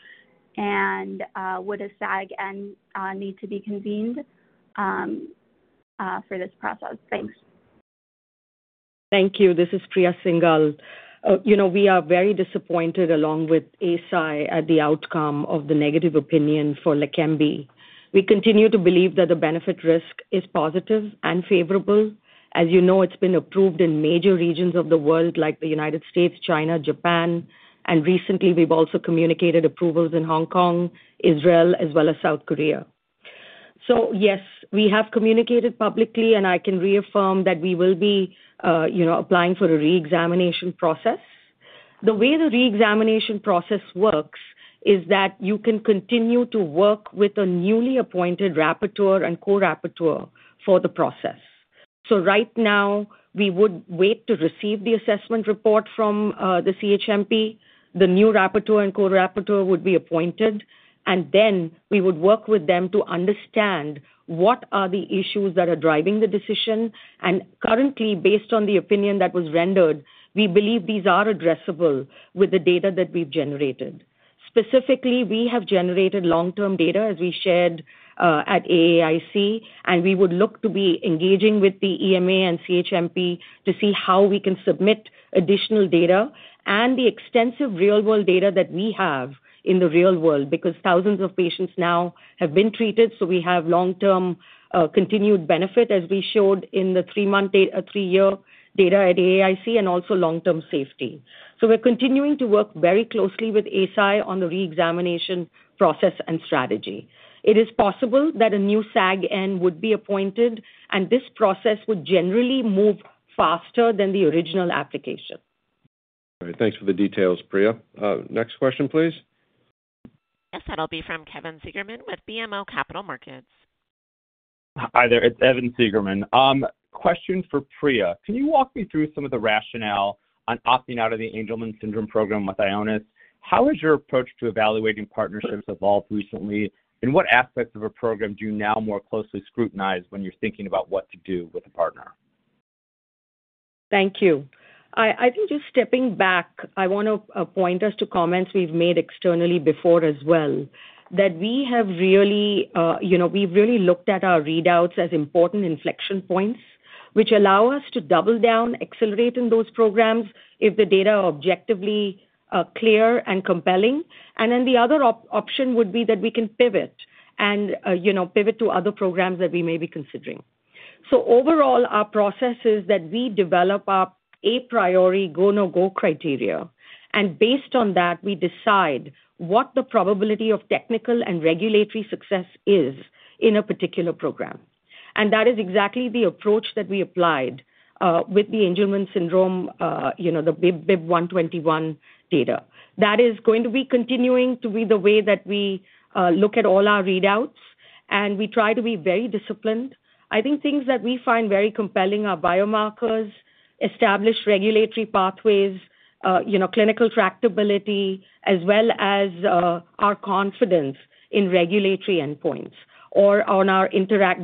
And would a SAG and CHMP need to be convened for this process? Thanks. Thank you. This is Priya Singhal. We are very disappointed, along with Eisai, at the outcome of the negative opinion for LEQEMBI. We continue to believe that the benefit risk is positive and favorable. As you know, it's been approved in major regions of the world like the United States, China, Japan, and recently, we've also communicated approvals in Hong Kong, Israel, as well as South Korea. So yes, we have communicated publicly, and I can reaffirm that we will be applying for a re-examination process. The way the re-examination process works, is that you can continue to work with a newly appointed rapporteur and co-rapporteur for the process. So, right now, we would wait to receive the assessment report from the CHMP. The new rapporteur and co-rapporteur would be appointed, and then we would work with them to understand what are the issues that are driving the decision currently, based on the opinion that was rendered. We believe these are addressable with the data that we've generated. Specifically, we have generated long-term data, as we shared at AAIC, and we would look to be engaging with the EMA and CHMP to see how we can submit additional data and the extensive real-world data that we have, in the real world because thousands of patients now have been treated. So, we have long-term continued benefit, as we showed in the 3-month, 3-year data at AAIC, and also long-term safety. So, we're continuing to work very closely with Eisai on the re-examination process and strategy. It is possible that a new SAG and CHMP would be appointed, and this process would generally move faster than the original application. All right. Thanks for the details, Priya. Next question, please. Yes. That'll be from Evan Seigerman with BMO Capital Markets. Hi there. It's Evan Seigerman. Question for Priya. Can you walk me through some of the rationale? on opting out of the Angelman Syndrome Program with Ionis? How has your approach to evaluating partnerships evolved recentl, and what aspects of a program do you now more closely scrutinize when you're thinking about what to do with a partner? Thank you. I think just stepping back, I want to point us to comments we've made externally before as well, that we have really we've really looked at our readouts as important inflection points. hich allow us to double down, accelerate in those programs if the data are objectively clear and compelling. And then the other option would be that we can pivot. And pivot to other programs that we may be considering. So overall, our process is that we develop our a priori go/no-go criteria, and based on that, we decide, what the probability of technical and regulatory success is, in a particular program. And that is exactly the approach that we applied, with the Angelman syndrome, the BIIB121 data. That is going to be continuing to be the way that we look at all our readouts, and we try to be very disciplined. I think things that we find very compelling are biomarkers, established regulatory pathways, clinical tractability, as well as our confidence in regulatory endpoints or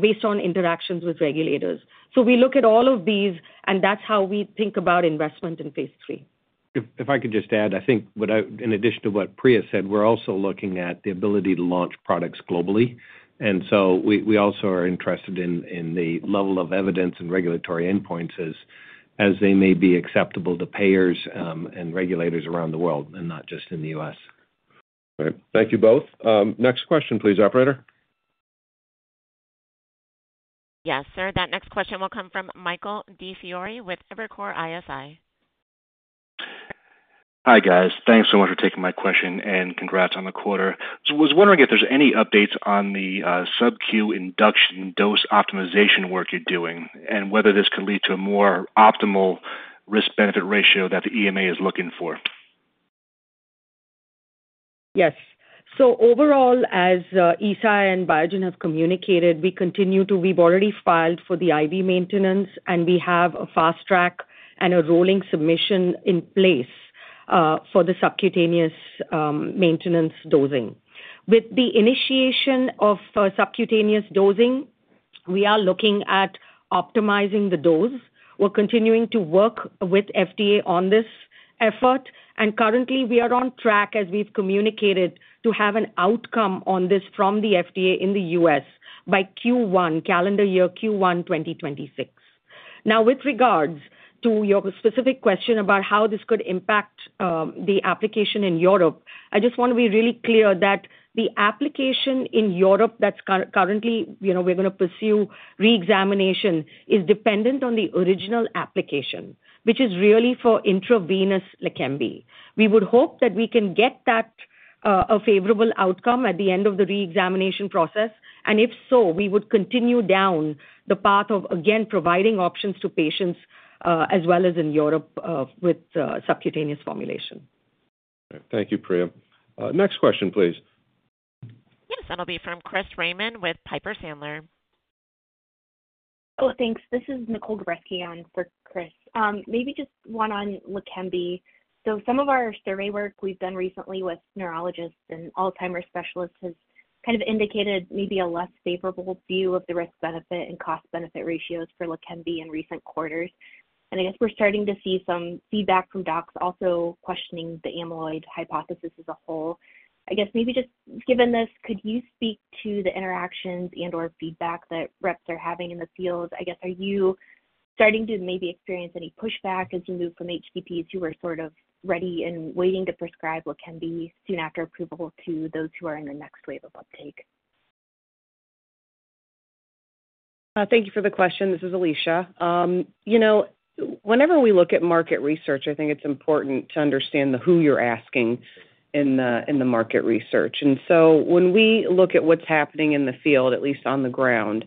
based on interactions with regulators. So, we look at all of these, and that's how we think about investment in phase III. If I could just add, I think in addition to what Priya said, we're also looking at the ability to launch products globally. We also are interested in the level of evidence and regulatory endpoints as they may be acceptable to payers and regulators around the world and not just in the US. All right. Thank you both. Next question, please, Operator. Yes, sir. That next question will come from Michael DiFiore with Evercore ISI. Hi guys. Thanks so much for taking my question, and congrats on the quarter. I was wondering if there's any updates on the subQ induction dose optimization work you're doing and whether this could lead to a more optimal risk-benefit ratio that the EMA is looking for? Yes. So overall, as Eisai and Biogen have communicated, we've already filed for the IV maintenance, and we have a fast track and a rolling submission in place, for the subcutaneous maintenance dosing. With the initiation of subcutaneous dosing, we are looking at optimizing the dose. We're continuing to work with FDA on this effort. Currently, we are on track, as we've communicated, to have an outcome on this from the FDA in the US by Q1, calendar year Q1, 2026. Now, with regards to your specific question about how this could impact the application in Europe, I just want to be really clear that the application in Europe we're going to pursue re-examination is dependent on the original application, which is really for intravenous LEQEMBI. We would hope that we can get a favorable outcome at the end of the re-examination process. If so, we would continue down the path of, again, providing options to patients as well as in Europe with subcutaneous formulation. Thank you, Priya. Next question, please. Yes. That'll be from Chris Raymond with Piper Sandler. Oh, thanks. This is Nicole Gabreski for Chris. Maybe just one on LEQEMBI. So, some of our survey work we've done recently with neurologists and Alzheimer's specialists has kind of indicated maybe a less favorable view of the risk-benefit and cost-benefit ratios for LEQEMBI in recent quarters. And I guess we're starting to see some feedback from docs also questioning the amyloid hypothesis as a whole. I guess maybe just given this, could you speak to the interactions and/or feedback that reps are having in the field? I guess are you starting to maybe experience any pushback as you move from HCPs who were sort of ready and waiting to prescribe LEQEMBI soon after approval to those who are in the next wave of uptake? Thank you for the question. This is Alisha. Whenever we look at market research, I think it's important to understand who you're asking in the market research and so, when we look at what's happening in the field, at least on the ground,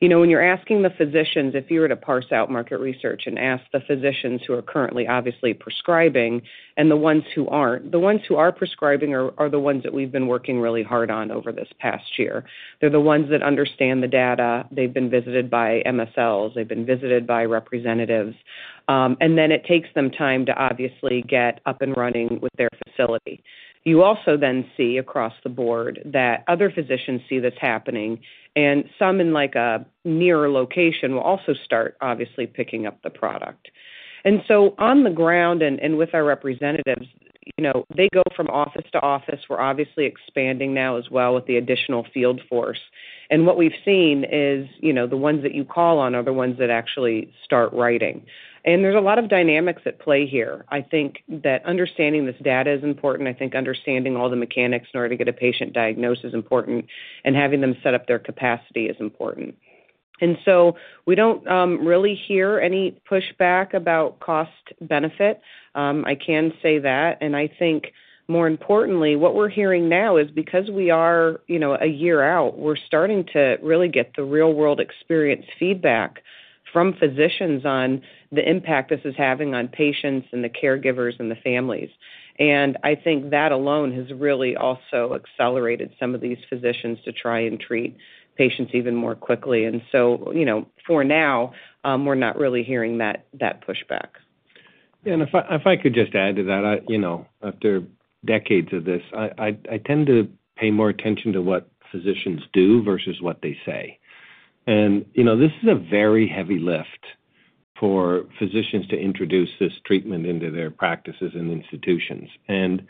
when you're asking the physicians, if you were to parse out market research and ask the physicians who are currently obviously prescribing, and the ones who aren't, the ones who are prescribing are the ones that we've been working really hard on over this past year. They're the ones that understand the data. They've been visited by MSLs. They've been visited by representatives. And then it takes them time to obviously get up and running with their facility. You also then see across the board that other physicians see this happening, and some in a nearer location will also start obviously picking up the product. And so, on the ground and with our representatives, they go from office to office we're obviously expanding now as well with the additional field force. And what we've seen is, the ones that you call on are the ones that actually start writing. And there's a lot of dynamics at play here. I think that understanding this data is important i think understanding all the mechanics in order to get a patient diagnosed is important, and having them set up their capacity is important. And so, we don't really hear any pushback about cost-benefit. I can say that, and I think more importantly, what we're hearing now is because we are a year out, we're starting to really get the real-world experience feedback, from physicians on, the impact this is having on patients and the caregivers and the families. And, I think that alone has really also accelerated some of these physicians to try and treat patients even more quickly and so, for now, we're not really hearing that pushback. Yeah. If I could just add to that, after decades of this, I tend to pay more attention to what physicians do versus what they say. This is a very heavy lift, for physicians to introduce this treatment into their practices and institutions. When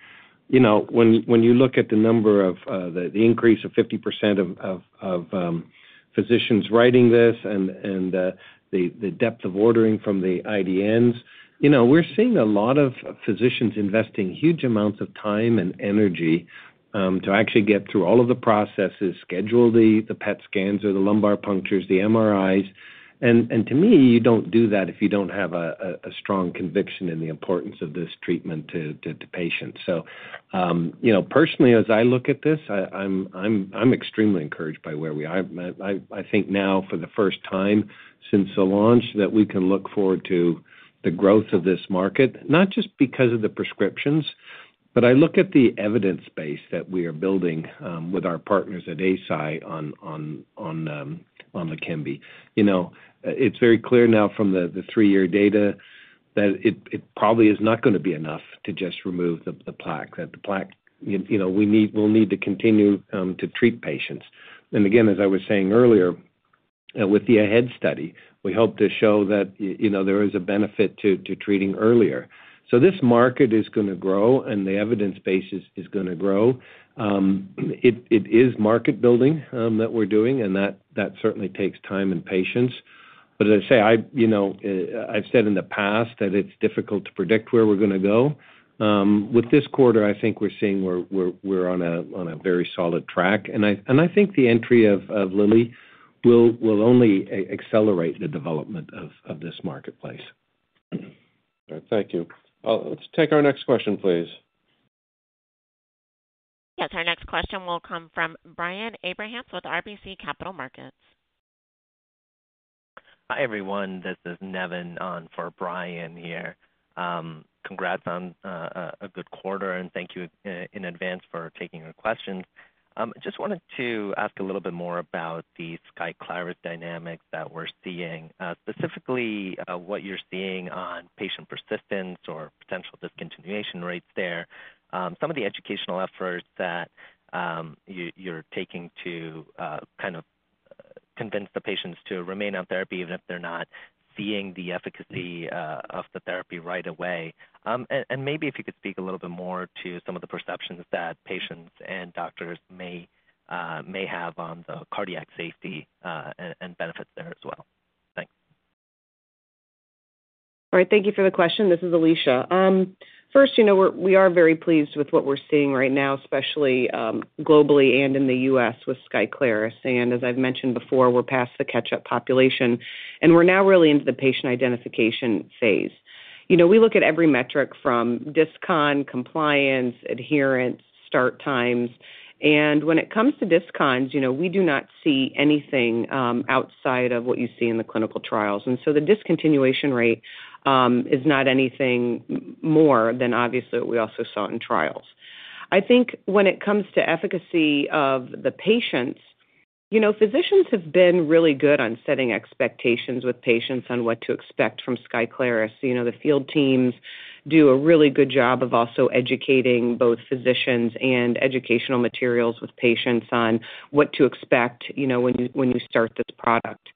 you look at the number of the increase of 50% of physicians writing this and the depth of ordering from the IDNs, we're seeing a lot of physicians investing huge amounts of time and energy, to actually get through all of the processes, schedule the PET scans or the lumbar punctures, the MRIs. To me, you don't do that if you don't have a strong conviction in the importance of this treatment to patients. So, personally, as I look at this, I'm extremely encouraged by where we are i think now, for the first time, since the launch, that we can look forward to the growth of this market, not just because of the prescriptions, but, I look at the evidence base that we are building with our partners at Eisai on LEQEMBI. It's very clear now from the three-year data, that it probably is not going to be enough to just remove the plaque we will need to continue to treat patients. And again, as I was saying earlier, with the AHEAD study, we hope to show that there is a benefit to treating earlier. So, this market is going to grow, and the evidence base is going to grow. It is market building that we're doing, and that certainly takes time and patience. But as I say, I've said in the past that it's difficult to predict where we're going to go. With this quarter, I think we're seeing we're on a very solid track, i think the entry of Lilly, will only accelerate the development of this marketplace. All right. Thank you. Let's take our next question, please. Yes. Our next question will come from Brian Abrahams with RBC Capital Markets. Hi everyone. This is Nevin for Brian here. Congrats on a good quarter, and thank you in advance for taking our questions. I just wanted to ask a little bit more about the SKYCLARYS dynamics that we're seeing, specifically what you're seeing on patient persistence or potential discontinuation rates there. Some of the educational efforts that, you're taking to kind of convince the patients to remain on therapy even if they're not seeing the efficacy of the therapy right away. And maybe if you could speak a little bit more to some of the perceptions that patients and doctors may have on the cardiac safety and benefits there as well. Thanks. All right. Thank you for the question. This is Alisha. First, we are very pleased with what we're seeing right now, especially globally and in the U.S. with SKYCLARYS and as I've mentioned before, we're past the catch-up population, and we're now really into the patient identification phase. We look at every metric from DISCON, compliance, adherence, start times. And, when it comes to DISCONs, we do not see anything outside of what you see in the clinical trials and so, the discontinuation rate, is not anything more than obviously what we also saw in trials. I think when it comes to efficacy of the patients, physicians have been really good on setting expectations with patients on what to expect from SKYCLARYS the field teams do a really good job of also educating both physicians and educational materials with patients on what to expect when you start this product.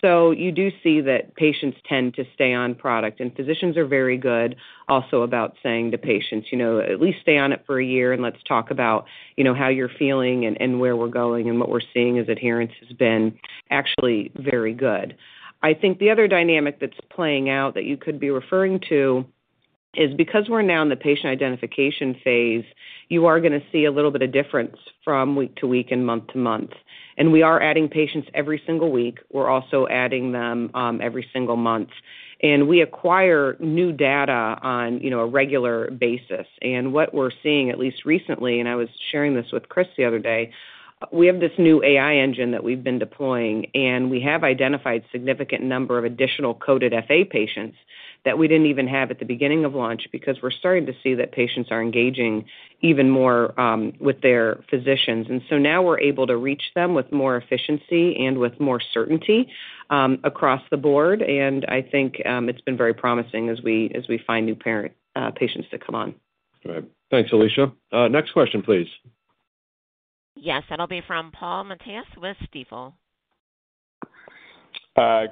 So, you do see that patients tend to stay on product, Physicians are very good also about saying to patients, "At least stay on it for a year, and let's talk about how you're feeling and where we're going and what we're seeing," as adherence has been actually very good. I think the other dynamic that's playing out that you could be referring to, is because we're now in the patient identification phase, you are going to see a little bit of difference from week to week and month to month. We are adding patients every single week. We're also adding them every single month. We acquire new data on a regular basis. What we're seeing, at least recently, and I was sharing this with Chris the other day, we have this new AI engine that we've been deploying, and we have identified a significant number of additional coded FA patients. That we didn't even have at the beginning of launch because we're starting to see that patients are engaging, even more with their physicians and so, now we're able to reach them with more efficiency and with more certainty, across the board and, I think it's been very promising as we find new patients to come on. All right. Thanks, Alisha. Next question, please. Yes. That'll be from Paul Matteis with Stifel.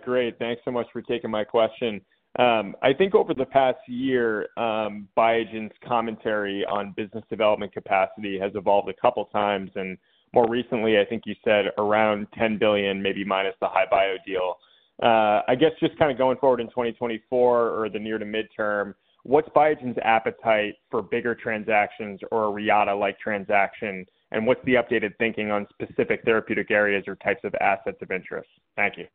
Great. Thanks so much for taking my question. I think over the past year, Biogen's commentary on business development capacity has evolved a couple of times. More recently, I think you said around $10 billion, maybe minus the HI-Bio deal. I guess just kind of going forward in 2024 or the near to midterm, what's Biogen's appetite for bigger transactions or a Reata-like transaction? And what's the updated thinking on specific therapeutic areas or types of assets of interest? Thank you.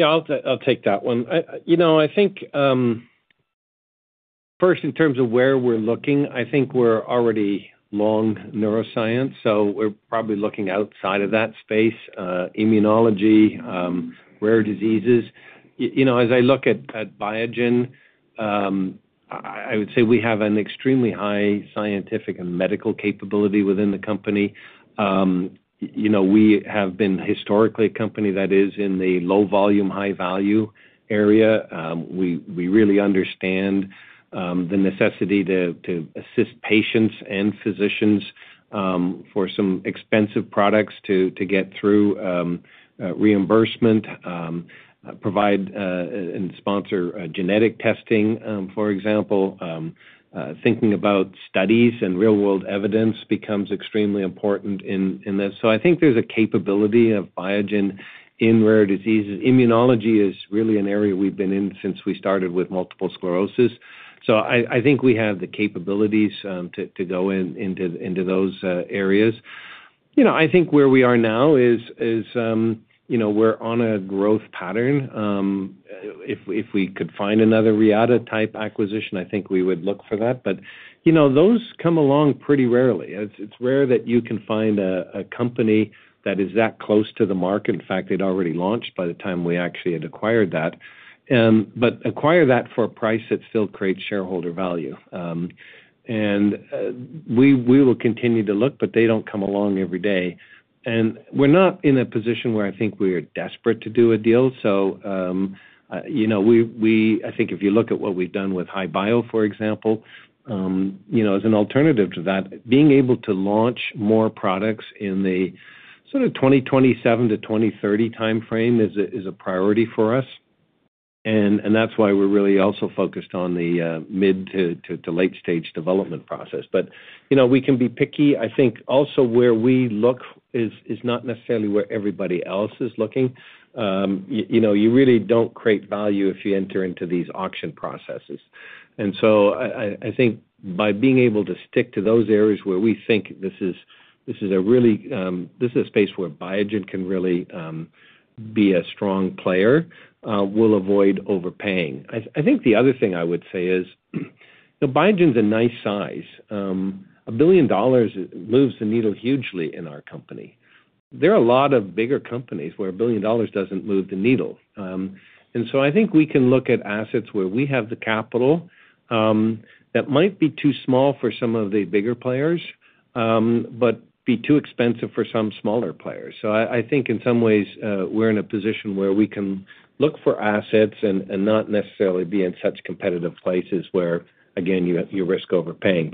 Yeah. I'll take that one. I think first, in terms of where we're looking, I think we're already long neuroscience. So, we're probably looking outside of that space: immunology, rare diseases. As I look at Biogen, I would say we have an extremely high scientific and medical capability within the company. We have been historically a company that is in the low-volume, high-value area. We really understand the necessity to assist patients and physicians for some expensive products to get through reimbursement, provide and sponsor genetic testing, for example. Thinking about studies and real-world evidence becomes extremely important in this so, I think there's a capability of Biogen, in rare diseases Immunology is really an area we've been in since we started with multiple sclerosis. So, I think we have the capabilities to go into those areas. I think where we are now is we're on a growth pattern. If we could find another Reata-type acquisition, I think we would look for that but, those come along pretty rarely. It's rare that you can find a company that is that close to the marketn fact, it already launched by the time we actually had acquired that, but, acquire that for a price that still creates shareholder value. And, we will continue to look, but, they don't come along every day. And we're not in a position where I think we are desperate to do a deal. So, I think if you look at what we've done with HI-Bio, for example, as an alternative to that, being able to launch more products in the sort of 2027-2030 timeframe is a priority for us. And that's why we're really also focused on the mid- to late-stage development process. But, we can be picky i think also where we look is not necessarily where everybody else is looking. You really don't create value if you enter into these auction processes. And so, I think by being able to stick to those areas where we think this is a space where Biogen can really be a strong player, we'll avoid overpaying i think the other thing I would say is Biogen's a nice size. $1 billion moves the needle hugely in our company. There are a lot of bigger companies where $1 billion doesn't move the needle. And so, I think we can look at assets where we have the capital, that might be too small for some of the bigger players. but, be too expensive for some smaller players i think in some ways, we're in a position where we can look for assets and not necessarily be in such competitive places where, again, you risk overpaying.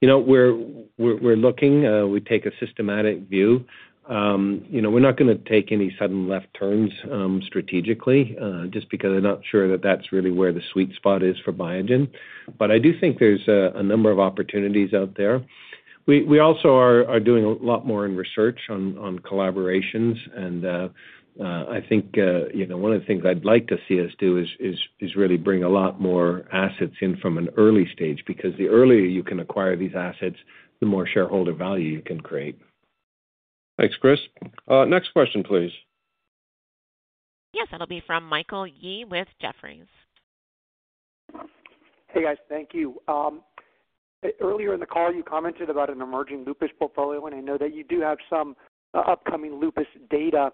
We're looking. We take a systematic view. We're not going to take any sudden left turns strategically, just because I'm not sure that that's really where the sweet spot is for Biogen. I do think there's a number of opportunities out there. We also are doing a lot more in research on collaborations. I think one of the things I'd like to see us do is really bring a lot more assets in from an early stage because the earlier you can acquire these assets, the more shareholder value you can create. Thanks, Chris. Next question, please. Yes. That'll be from Michael Yee with Jefferies. Hey, guys. Thank you. Earlier in the call, you commented about an emerging lupus portfolio, and I know that you do have some upcoming lupus data.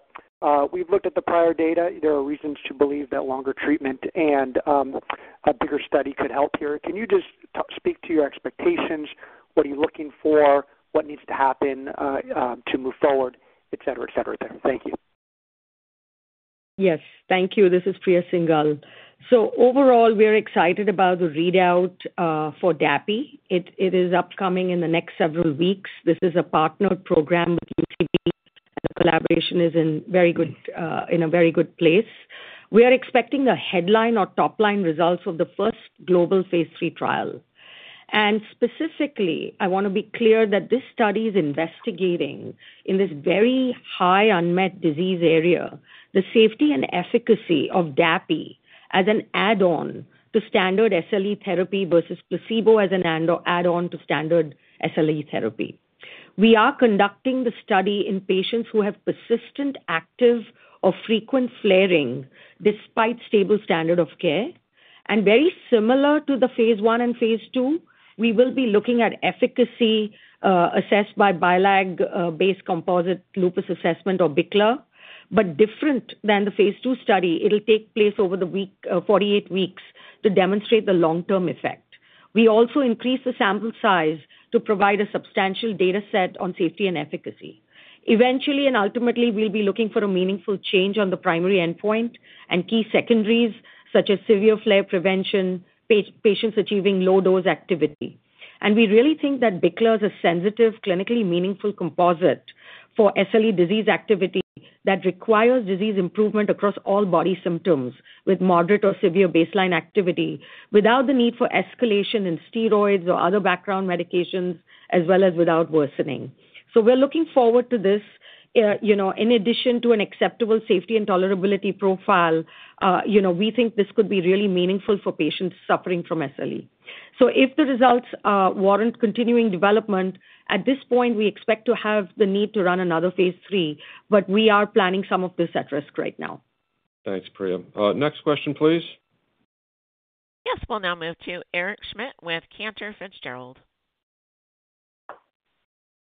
We've looked at the prior data. There are reasons to believe that longer treatment and a bigger study could help here. Can you just speak to your expectations? What are you looking for? What needs to happen to move forward, etc., etc., etc.? Thank you. Yes. Thank you. This is Priya Singhal. So, overall, we're excited about the readout for DAPI. It is upcoming in the next several weeks. This is a partnered program with UCB, and the collaboration is in a very good place. We are expecting the headline or top-line results of the first global phase II trial. And specifically, I want to be clear that this study is investigating in this very high unmet disease area, the safety and efficacy of DAPI as an add-on to standard SLE therapy versus placebo as an add-on to standard SLE therapy. We are conducting the study in patients who have persistent, active, or frequent flaring despite stable standard of care. And very similar to the phase I and phase II, we will be looking at efficacy assessed by BILAG-based composite lupus assessment or BICLA, but, different than the phase II study it'll take place over the 48 weeks to demonstrate the long-term effect. We also increased the sample size to provide a substantial data set on safety and efficacy. Eventually and ultimately, we'll be looking for a meaningful change on the primary endpoint and key secondaries such as severe flare prevention, patients achieving low-dose activity. We really think that BICLA is a sensitive, clinically meaningful composite. For SLE disease activity that requires disease improvement across all body symptoms with moderate or severe baseline activity. Without the need for escalation in steroids or other background medications, as well as without worsening. We're looking forward to this. In addition to an acceptable safety and tolerability profile, we think this could be really meaningful for patients suffering from SLE. If the results warrant continuing development, at this point, we expect to have the need to run another phase III, but we are planning some of this at risk right now. Thanks, Priya. Next question, please. Yes. We'll now move to Eric Schmidt with Cantor Fitzgerald.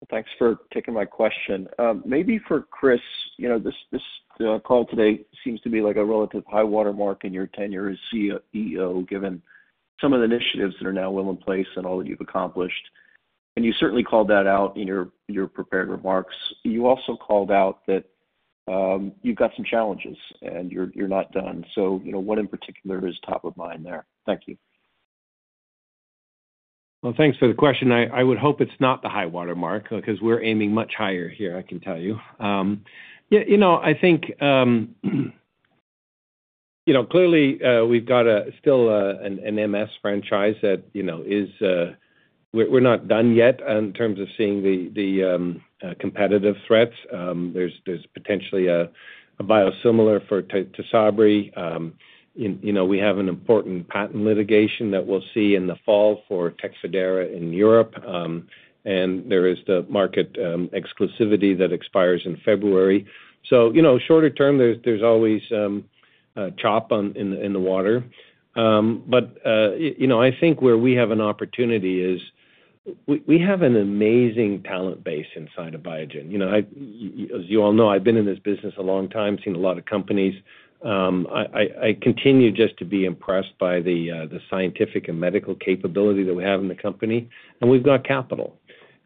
Thanks for taking my question. Maybe for Chris, this call today seems to be like a relative high watermark in your tenure as CEO, given some of the initiatives that are now well in place and all that you've accomplished. You certainly called that out in your prepared remarks. You also called out that you've got some challenges, and you're not done. What in particular is top of mind there? Thank you. Well, thanks for the question. I would hope it's not the high watermark because we're aiming much higher here, I can tell you. Yeah, i think clearly, we've got still an MS franchise that is we're not done yet in terms of seeing the competitive threats. There's potentially a biosimilar for Tysabri. We have an important patent litigation that we'll see in the fall for Tecfidera in Europe. And, there is the market exclusivity that expires in February. So, shorter term, there's always chop in the water. But, I think where we have an opportunity is we have an amazing talent base inside of Biogen. As you all know, I've been in this business a long time, seen a lot of companies. I continue just to be impressed by the scientific and medical capability that we have in the company. And we've got capital.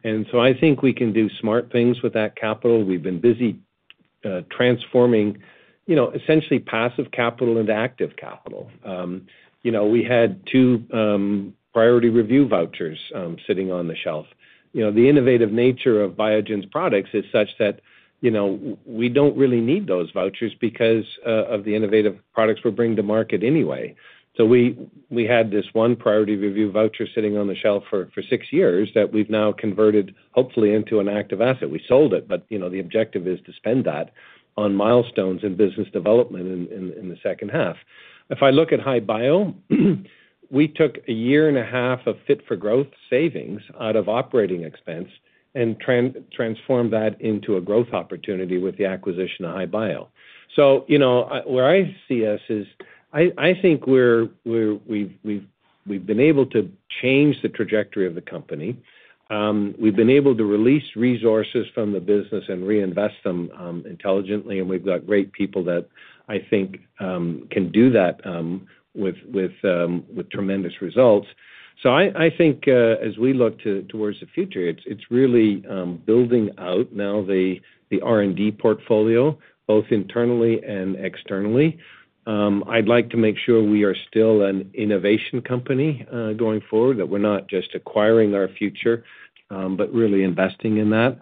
I think we can do smart things with that capital, we've been busy transforming essentially passive capital into active capital. We had two priority review vouchers sitting on the shelf. The innovative nature of Biogen's products is such that we don't really need those vouchers because of the innovative products we're bringing to market anyway. We had this one priority review voucher sitting on the shelf for six years that we've now converted, hopefully, into an active asset we sold it, but, the objective is to spend that on milestones in business development in the second half. If I look at HI-Bio, we took a year and a half of fit-for-growth savings out of operating expense and transformed that into a growth opportunity with the acquisition of HI-Bio. Where I see us is I think we've been able to change the trajectory of the company. We've been able to release resources from the business and reinvest them intelligentlynd we've got great people that I think can do that with tremendous results. So, I think as we look towards the future, it's really building out now the R&D portfolio? both internally and externally? I'd like to make sure we are still an innovation company going forward, that we're not just acquiring our future, but, really investing in that.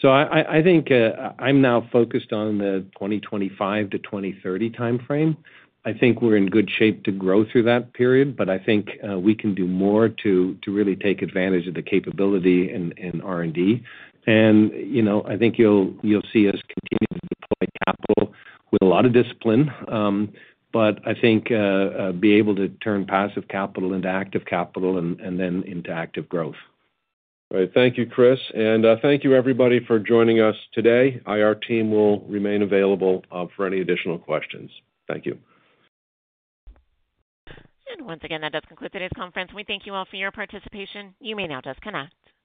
So, I think I'm now focused on the 2025-2030 timeframe. I think we're in good shape to grow through that period, but I think we can do more to really take advantage of the capability in R&D. And I think you'll see us continue to deploy capital with a lot of discipline, but, I think be able to turn passive capital into active capital and then into active growth. All right. Thank you, Chris. Thank you, everybody, for joining us today. Our team will remain available for any additional questions. Thank you. Once again, that does conclude today's conference. We thank you all for your participation. You may now disconnect.